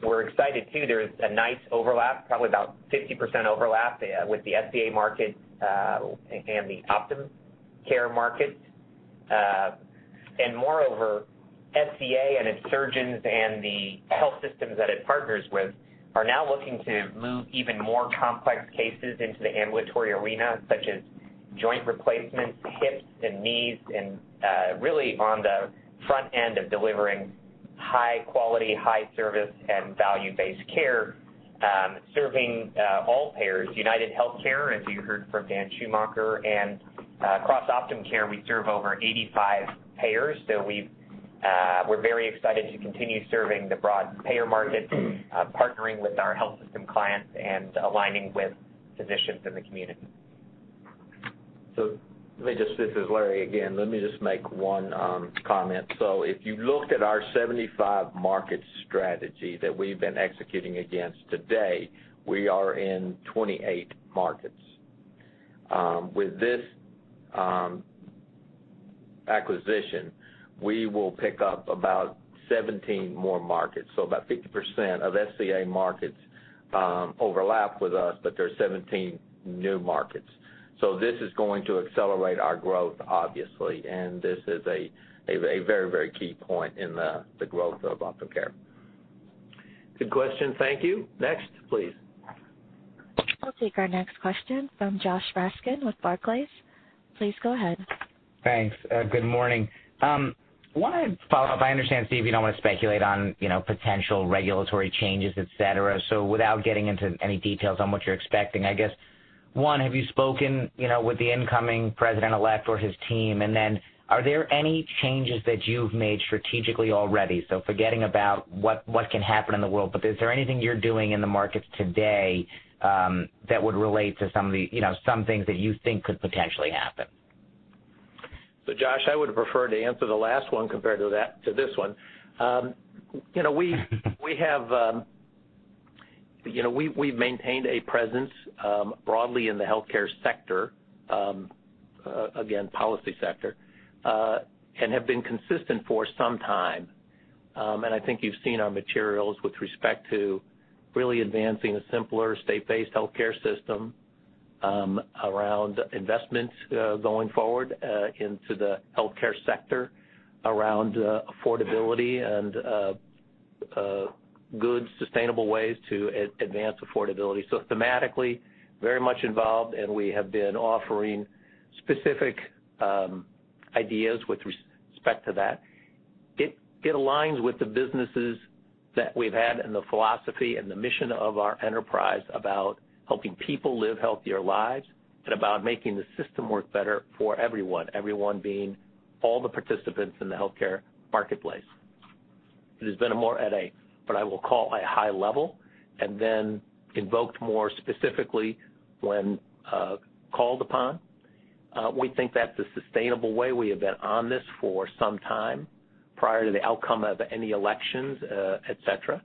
we're excited too, there is a nice overlap, probably about 50% overlap, with the SCA market and the Optum Care market. Moreover, SCA and its surgeons and the health systems that it partners with are now looking to move even more complex cases into the ambulatory arena, such as joint replacements, hips and knees, and really on the front end of delivering high quality, high service, and value-based care, serving all payers. UnitedHealthcare, as you heard from Dan Schumacher, and across OptumCare, we serve over 85 payers. We're very excited to continue serving the broad payer market, partnering with our health system clients and aligning with physicians in the community. Let me just-- This is Larry again. Let me just make one comment. If you looked at our 75-market strategy that we've been executing against today, we are in 28 markets. With this acquisition, we will pick up about 17 more markets. About 50% of SCA markets overlap with us, but there are 17 new markets. This is going to accelerate our growth, obviously. This is a very key point in the growth of OptumCare. Good question. Thank you. Next, please. We'll take our next question from Josh Raskin with Barclays. Please go ahead. Thanks. Good morning. I want to follow up. I understand, Steve, you don't want to speculate on potential regulatory changes, et cetera. Without getting into any details on what you're expecting, I guess, one, have you spoken with the incoming president-elect or his team? Are there any changes that you've made strategically already? Forgetting about what can happen in the world, but is there anything you're doing in the markets today that would relate to some things that you think could potentially happen? Josh, I would prefer to answer the last one compared to this one. We've maintained a presence broadly in the healthcare sector, again, policy sector, and have been consistent for some time. I think you've seen our materials with respect to really advancing a simpler state-based healthcare system around investments going forward into the healthcare sector, around affordability and good, sustainable ways to advance affordability. Thematically, very much involved, and we have been offering specific ideas with respect to that. It aligns with the businesses that we've had and the philosophy and the mission of our enterprise about helping people live healthier lives and about making the system work better for everyone. Everyone being all the participants in the healthcare marketplace. It has been a more at a, what I will call, a high level, and then invoked more specifically when called upon. We think that's a sustainable way. We have been on this for some time, prior to the outcome of any elections, et cetera.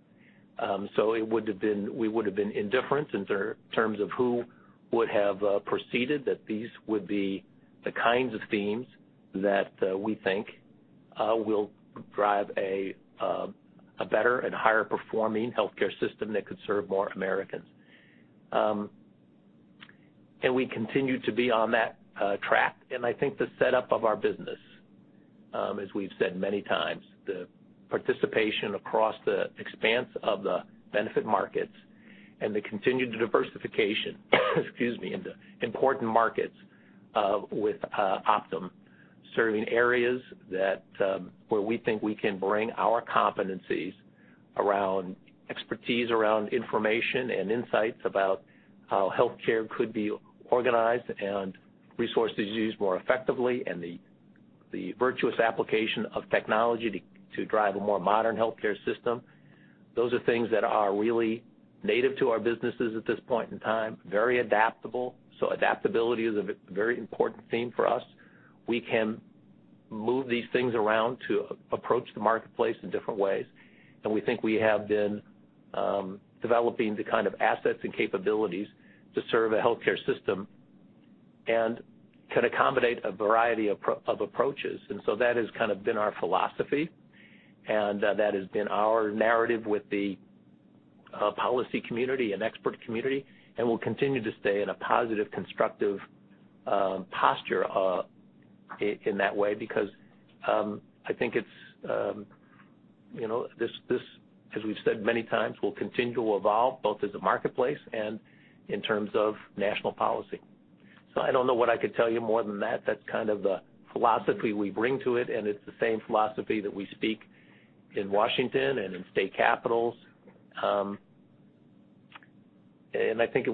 We would've been indifferent in terms of who would have proceeded, that these would be the kinds of themes that we think will drive a better and higher performing healthcare system that could serve more Americans. We continue to be on that track. I think the setup of our business, as we've said many times, the participation across the expanse of the benefit markets and the continued diversification into important markets with Optum serving areas where we think we can bring our competencies around expertise, around information, and insights about how healthcare could be organized and resources used more effectively, and the virtuous application of technology to drive a more modern healthcare system. Those are things that are really native to our businesses at this point in time, very adaptable. Adaptability is a very important theme for us. We can move these things around to approach the marketplace in different ways, and we think we have been developing the kind of assets and capabilities to serve a healthcare system, and can accommodate a variety of approaches. That has been our philosophy, and that has been our narrative with the policy community and expert community. We'll continue to stay in a positive, constructive posture in that way because I think as we've said many times, we'll continue to evolve both as a marketplace and in terms of national policy. I don't know what I could tell you more than that. That's kind of the philosophy we bring to it, and it's the same philosophy that we speak in Washington and in state capitals. I think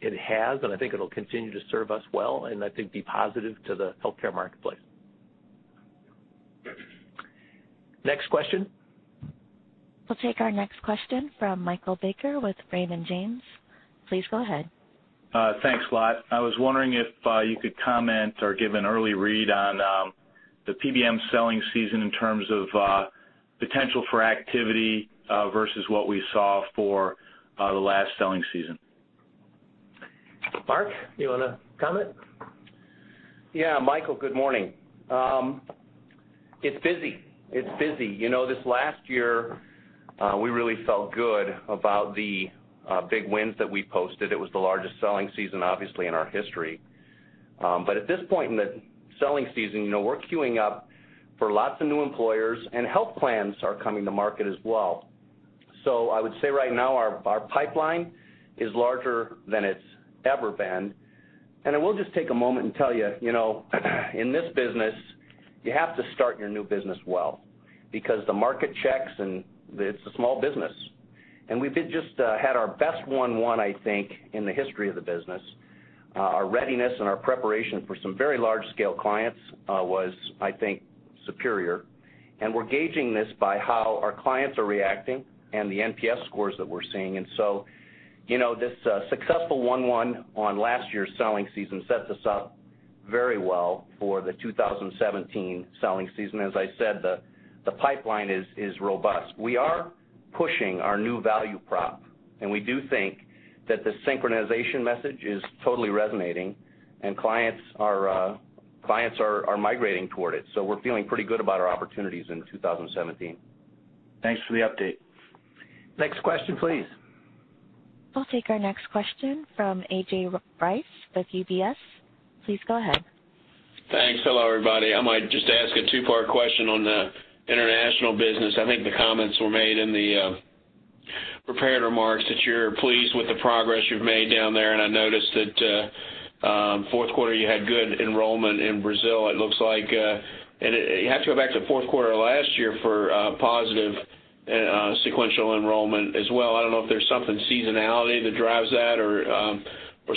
it has, and I think it'll continue to serve us well, and I think be positive to the healthcare marketplace. Next question. We'll take our next question from Michael Baker with Raymond James. Please go ahead. Thanks a lot. I was wondering if you could comment or give an early read on the PBM selling season in terms of potential for activity, versus what we saw for the last selling season. Mark, you want to comment? Yeah, Michael, good morning. It's busy. This last year, we really felt good about the big wins that we posted. It was the largest selling season, obviously, in our history. At this point in the selling season, we're queuing up for lots of new employers, and health plans are coming to market as well. I would say right now our pipeline is larger than it's ever been. I will just take a moment and tell you, in this business, you have to start your new business well because the market checks, and it's a small business. We've just had our best one-one, I think, in the history of the business. Our readiness and our preparation for some very large-scale clients was, I think, superior. We're gauging this by how our clients are reacting and the NPS scores that we're seeing. This successful one-one on last year's selling season sets us up very well for the 2017 selling season. As I said, the pipeline is robust. We are pushing our new value prop, and we do think that the synchronization message is totally resonating, and clients are migrating toward it. We're feeling pretty good about our opportunities in 2017. Thanks for the update. Next question, please. I'll take our next question from A.J. Rice with UBS. Please go ahead. Thanks. Hello, everybody. I might just ask a two-part question on the international business. I think the comments were made in the prepared remarks that you're pleased with the progress you've made down there. I noticed that fourth quarter you had good enrollment in Brazil, it looks like. You have to go back to fourth quarter last year for positive sequential enrollment as well. I don't know if there's something seasonality that drives that or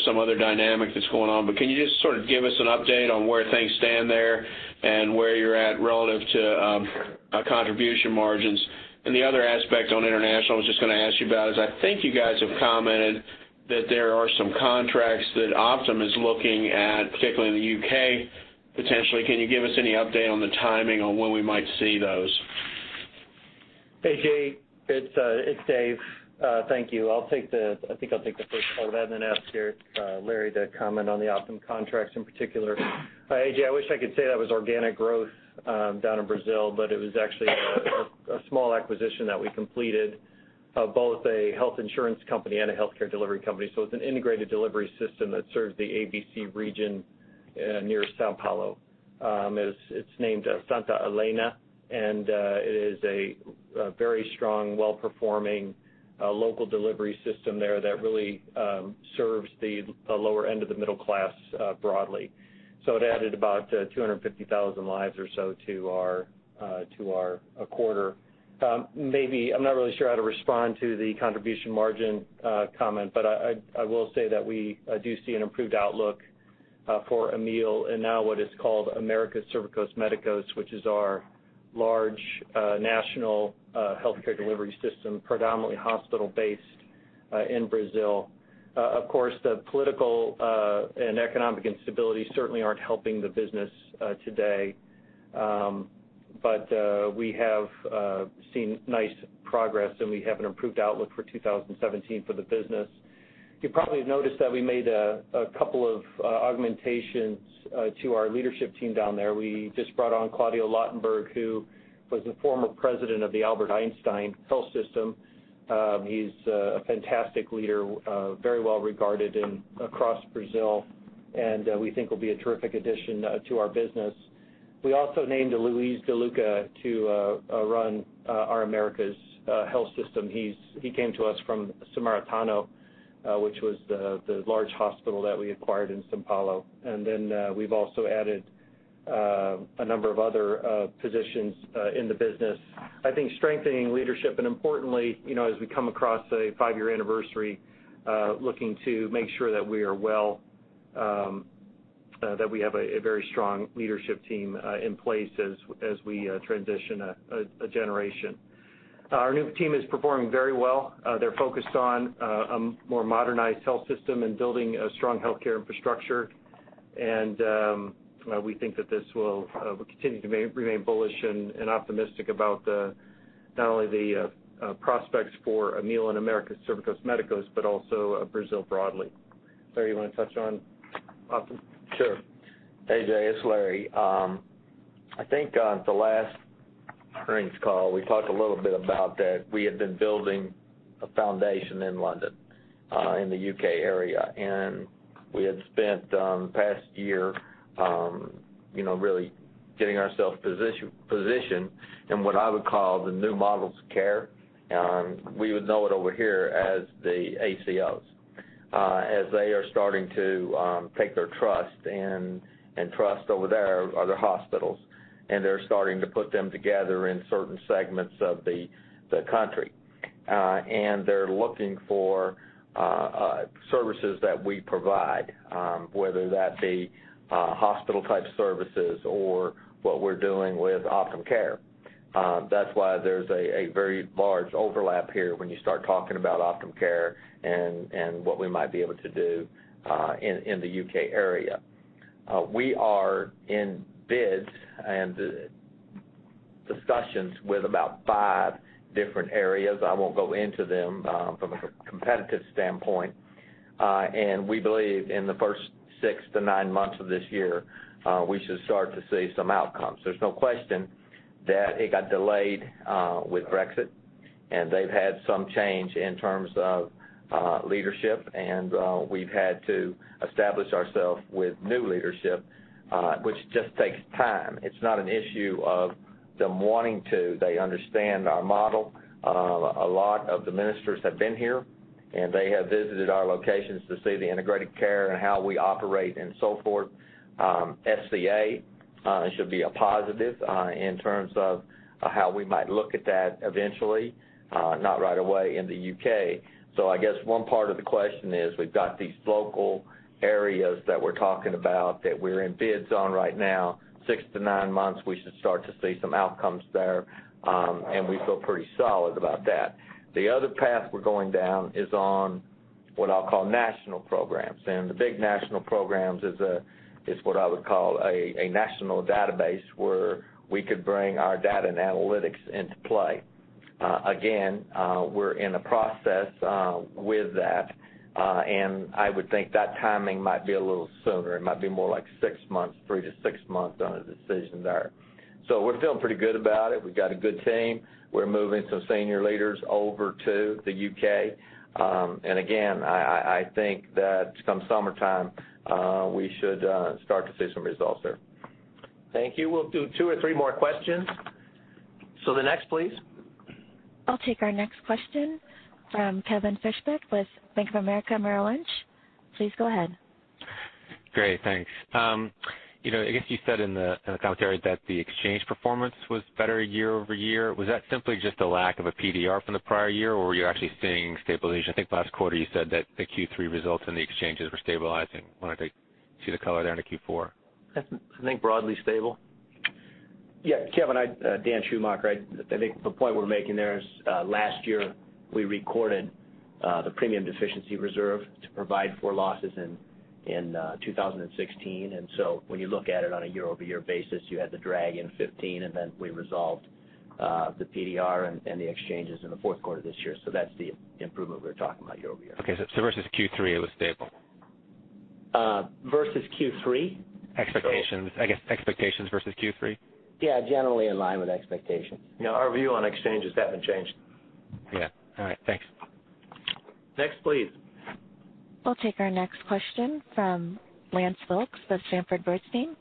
some other dynamic that's going on, but can you just sort of give us an update on where things stand there and where you're at relative to contribution margins? The other aspect on international I was just going to ask you about is, I think you guys have commented that there are some contracts that Optum is looking at, particularly in the U.K., potentially. Can you give us any update on the timing on when we might see those? A.J., it's Dave. Thank you. I think I'll take the first part of that, and then ask Larry to comment on the Optum contracts in particular. A.J., I wish I could say that was organic growth down in Brazil, but it was actually a small acquisition that we completed of both a health insurance company and a healthcare delivery company. It's an integrated delivery system that serves the ABC region near São Paulo. It's named Santa Helena, and it is a very strong, well-performing local delivery system there that really serves the lower end of the middle class broadly. It added about 250,000 lives or so to our quarter. I'm not really sure how to respond to the contribution margin comment, but I will say that we do see an improved outlook for Amil, and now what is called Américas Serviços Médicos, which is our large national healthcare delivery system, predominantly hospital-based in Brazil. Of course, the political and economic instability certainly aren't helping the business today. We have seen nice progress, and we have an improved outlook for 2017 for the business. You probably have noticed that we made a couple of augmentations to our leadership team down there. We just brought on Claudio Lottenberg, who was the former president of the Hospital Israelita Albert Einstein. He's a fantastic leader, very well regarded across Brazil, and we think will be a terrific addition to our business. We also named Luiz De Luca to run our Américas health system. He came to us from Samaritano, which was the large hospital that we acquired in São Paulo. We've also added a number of other positions in the business. I think strengthening leadership, and importantly, as we come across a five-year anniversary, looking to make sure that we have a very strong leadership team in place as we transition a generation. Our new team is performing very well. They're focused on a more modernized health system and building a strong healthcare infrastructure. We think that this will continue to remain bullish and optimistic about not only the prospects for Amil in Américas Serviços Médicos, but also Brazil broadly. Larry, you want to touch on Optum? Sure. Hey, Jay, it's Larry. I think on the last earnings call, we talked a little bit about that we had been building a foundation in London, in the U.K. area, and we had spent the past year really getting ourselves positioned in what I would call the new models of care. We would know it over here as the ACOs, as they are starting to take their trust, and trust over there are their hospitals, and they're starting to put them together in certain segments of the country. They're looking for services that we provide, whether that be hospital-type services or what we're doing with OptumCare. That's why there's a very large overlap here when you start talking about OptumCare and what we might be able to do in the U.K. area. We are in bids and discussions with about five different areas. I won't go into them from a competitive standpoint. We believe in the first six to nine months of this year, we should start to see some outcomes. There's no question that it got delayed with Brexit, and they've had some change in terms of leadership, and we've had to establish ourselves with new leadership, which just takes time. It's not an issue of them wanting to. They understand our model. A lot of the ministers have been here, and they have visited our locations to see the integrated care and how we operate and so forth. SCA should be a positive in terms of how we might look at that eventually, not right away in the U.K. I guess one part of the question is we've got these local areas that we're talking about that we're in bids on right now. 6-9 months, we should start to see some outcomes there. We feel pretty solid about that. The other path we're going down is on what I'll call national programs. The big national programs is what I would call a national database, where we could bring our data and analytics into play. Again, we're in a process with that. I would think that timing might be a little sooner. It might be more like 6 months, 3-6 months on a decision there. We're feeling pretty good about it. We've got a good team. We're moving some senior leaders over to the U.K. Again, I think that come summertime, we should start to see some results there. Thank you. We'll do two or three more questions. The next, please. I'll take our next question from Kevin Fischbeck with Bank of America Merrill Lynch. Please go ahead. Great. Thanks. I guess you said in the commentary that the exchange performance was better year-over-year. Was that simply just a lack of a PDR from the prior year, or were you actually seeing stabilization? I think last quarter you said that the Q3 results in the exchanges were stabilizing. Wanted to see the color there into Q4. I think broadly stable. Yeah, Kevin Fischbeck, Dan Schumacher. I think the point we're making there is last year, we recorded the premium deficiency reserve to provide for losses in 2016. When you look at it on a year-over-year basis, you had the drag in 2015, and then we resolved the PDR and the exchanges in the fourth quarter this year. That's the improvement we're talking about year-over-year. Okay, versus Q3, it was stable. Versus Q3? Expectations, I guess expectations versus Q3. Yeah, generally in line with expectations. Yeah, our view on exchanges haven't changed. Yeah. All right. Thanks. Next, please. I'll take our next question from Lance Wilkes of Sanford C. Bernstein.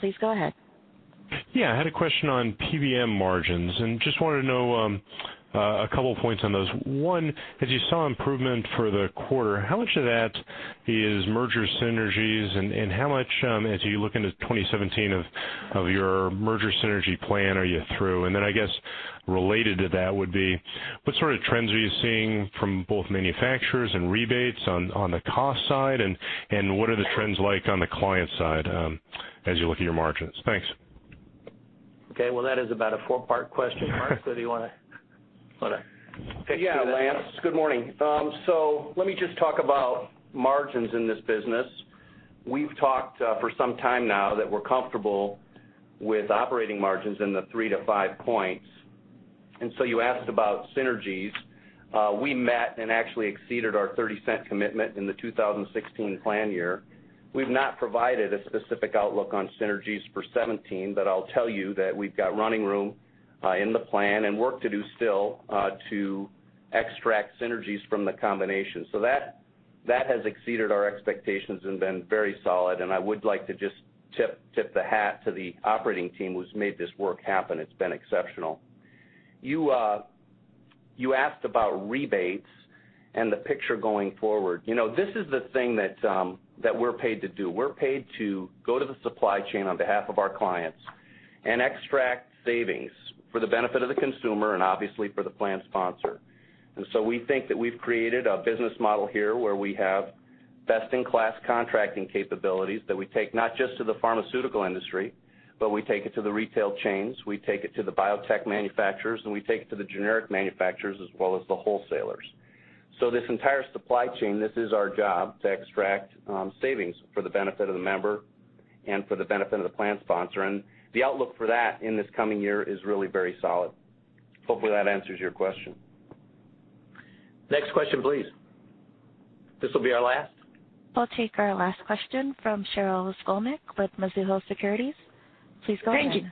Please go ahead. Yeah. I had a question on PBM margins, and just wanted to know a couple of points on those. One, as you saw improvement for the quarter, how much of that is merger synergies, and how much, as you look into 2017 of your merger synergy plan, are you through? Then I guess related to that would be, what sort of trends are you seeing from both manufacturers and rebates on the cost side, and what are the trends like on the client side as you look at your margins? Thanks. Okay. Well, that is about a four-part question, Mark. Do you want to take two of them? Yeah, Lance. Good morning. Let me just talk about margins in this business. We've talked for some time now that we're comfortable with operating margins in the three to five points. You asked about synergies. We met and actually exceeded our $0.30 commitment in the 2016 plan year. We've not provided a specific outlook on synergies for 2017, but I'll tell you that we've got running room in the plan and work to do still to extract synergies from the combination. That has exceeded our expectations and been very solid, and I would like to just tip the hat to the operating team who's made this work happen. It's been exceptional. You asked about rebates and the picture going forward. This is the thing that we're paid to do. We're paid to go to the supply chain on behalf of our clients and extract savings for the benefit of the consumer and obviously for the plan sponsor. We think that we've created a business model here where we have best-in-class contracting capabilities that we take not just to the pharmaceutical industry, but we take it to the retail chains, we take it to the biotech manufacturers, and we take it to the generic manufacturers as well as the wholesalers. This entire supply chain, this is our job, to extract savings for the benefit of the member and for the benefit of the plan sponsor. The outlook for that in this coming year is really very solid. Hopefully, that answers your question. Next question, please. This will be our last. We'll take our last question from Sheryl Skolnick with Mizuho Securities. Please go ahead. Thank you.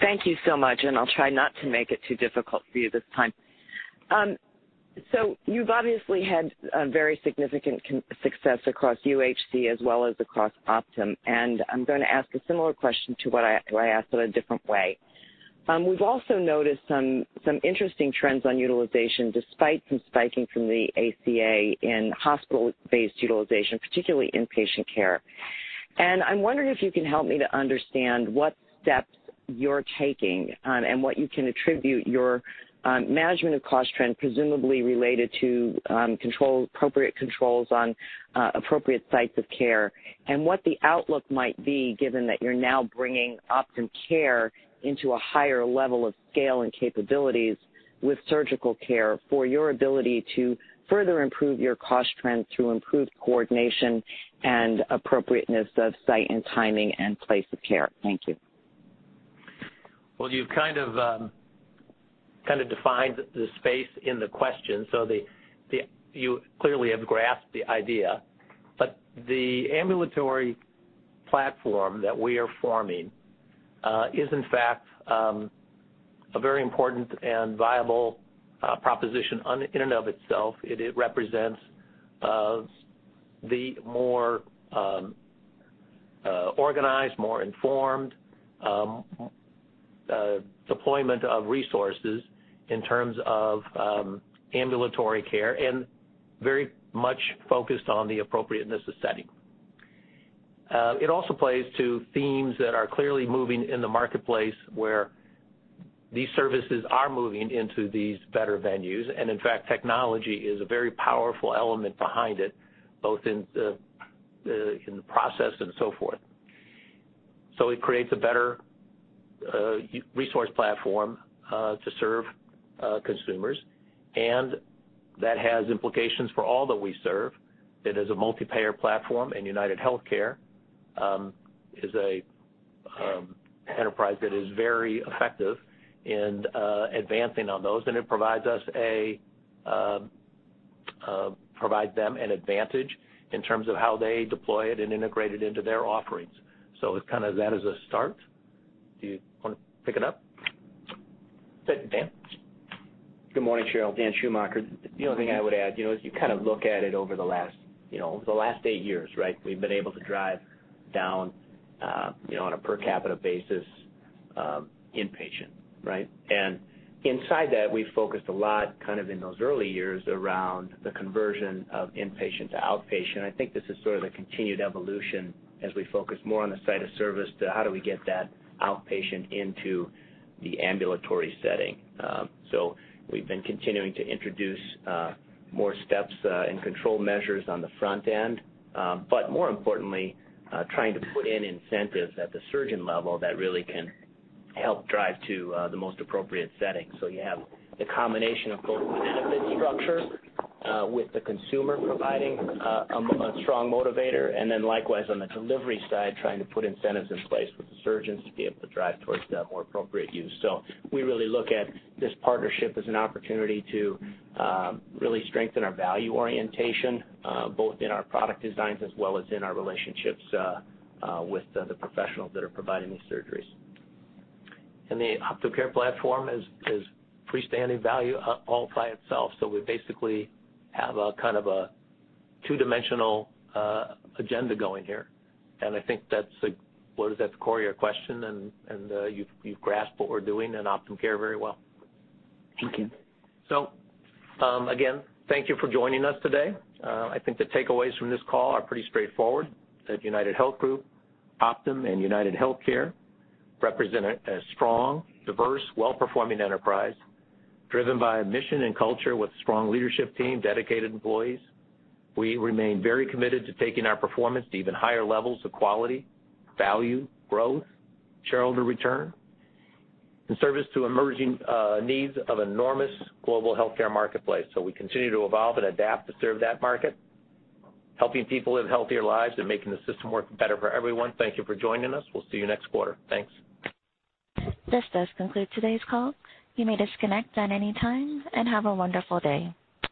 Thank you so much. I'll try not to make it too difficult for you this time. You've obviously had a very significant success across UHC as well as across Optum. I'm going to ask a similar question to what I asked but a different way. We've also noticed some interesting trends on utilization, despite some spiking from the ACA in hospital-based utilization, particularly inpatient care. I'm wondering if you can help me to understand what steps you're taking and what you can attribute your management of cost trend, presumably related to appropriate controls on appropriate sites of care, and what the outlook might be, given that you're now bringing OptumCare into a higher level of scale and capabilities with surgical care for your ability to further improve your cost trends through improved coordination and appropriateness of site and timing and place of care. Thank you. Well, you've kind of defined the space in the question. You clearly have grasped the idea. The ambulatory platform that we are forming is, in fact, a very important and viable proposition in and of itself. It represents the more organized, more informed deployment of resources in terms of ambulatory care and very much focused on the appropriateness of setting. It also plays to themes that are clearly moving in the marketplace where these services are moving into these better venues. In fact, technology is a very powerful element behind it, both in the process and so forth. It creates a better resource platform to serve consumers, and that has implications for all that we serve. It is a multi-payer platform. UnitedHealthcare is an enterprise that is very effective in advancing on those, and it provides them an advantage in terms of how they deploy it and integrate it into their offerings. It's kind of that as a start. Do you want to pick it up? Dan? Good morning, Sheryl. Dan Schumacher. The only thing I would add, as you look at it over the last eight years, right? We've been able to drive down on a per capita basis, inpatient. Right? Inside that, we focused a lot kind of in those early years around the conversion of inpatient to outpatient. I think this is sort of the continued evolution as we focus more on the site of service to how do we get that outpatient into the ambulatory setting. We've been continuing to introduce more steps and control measures on the front end, but more importantly, trying to put in incentives at the surgeon level that really can help drive to the most appropriate setting. You have the combination of both the benefit structure with the consumer providing a strong motivator, and then likewise on the delivery side, trying to put incentives in place with the surgeons to be able to drive towards the more appropriate use. We really look at this partnership as an opportunity to really strengthen our value orientation, both in our product designs as well as in our relationships with the professionals that are providing these surgeries. The Optum Care platform is freestanding value all by itself. We basically have a kind of a two-dimensional agenda going here, and I think that's at the core of your question, and you've grasped what we're doing in Optum Care very well. Thank you. Again, thank you for joining us today. I think the takeaways from this call are pretty straightforward, that UnitedHealth Group, Optum and UnitedHealthcare represent a strong, diverse, well-performing enterprise driven by a mission and culture with a strong leadership team, dedicated employees. We remain very committed to taking our performance to even higher levels of quality, value, growth, shareholder return, and service to emerging needs of enormous global healthcare marketplace. We continue to evolve and adapt to serve that market, helping people live healthier lives and making the system work better for everyone. Thank you for joining us. We'll see you next quarter. Thanks. This does conclude today's call. You may disconnect at any time, and have a wonderful day.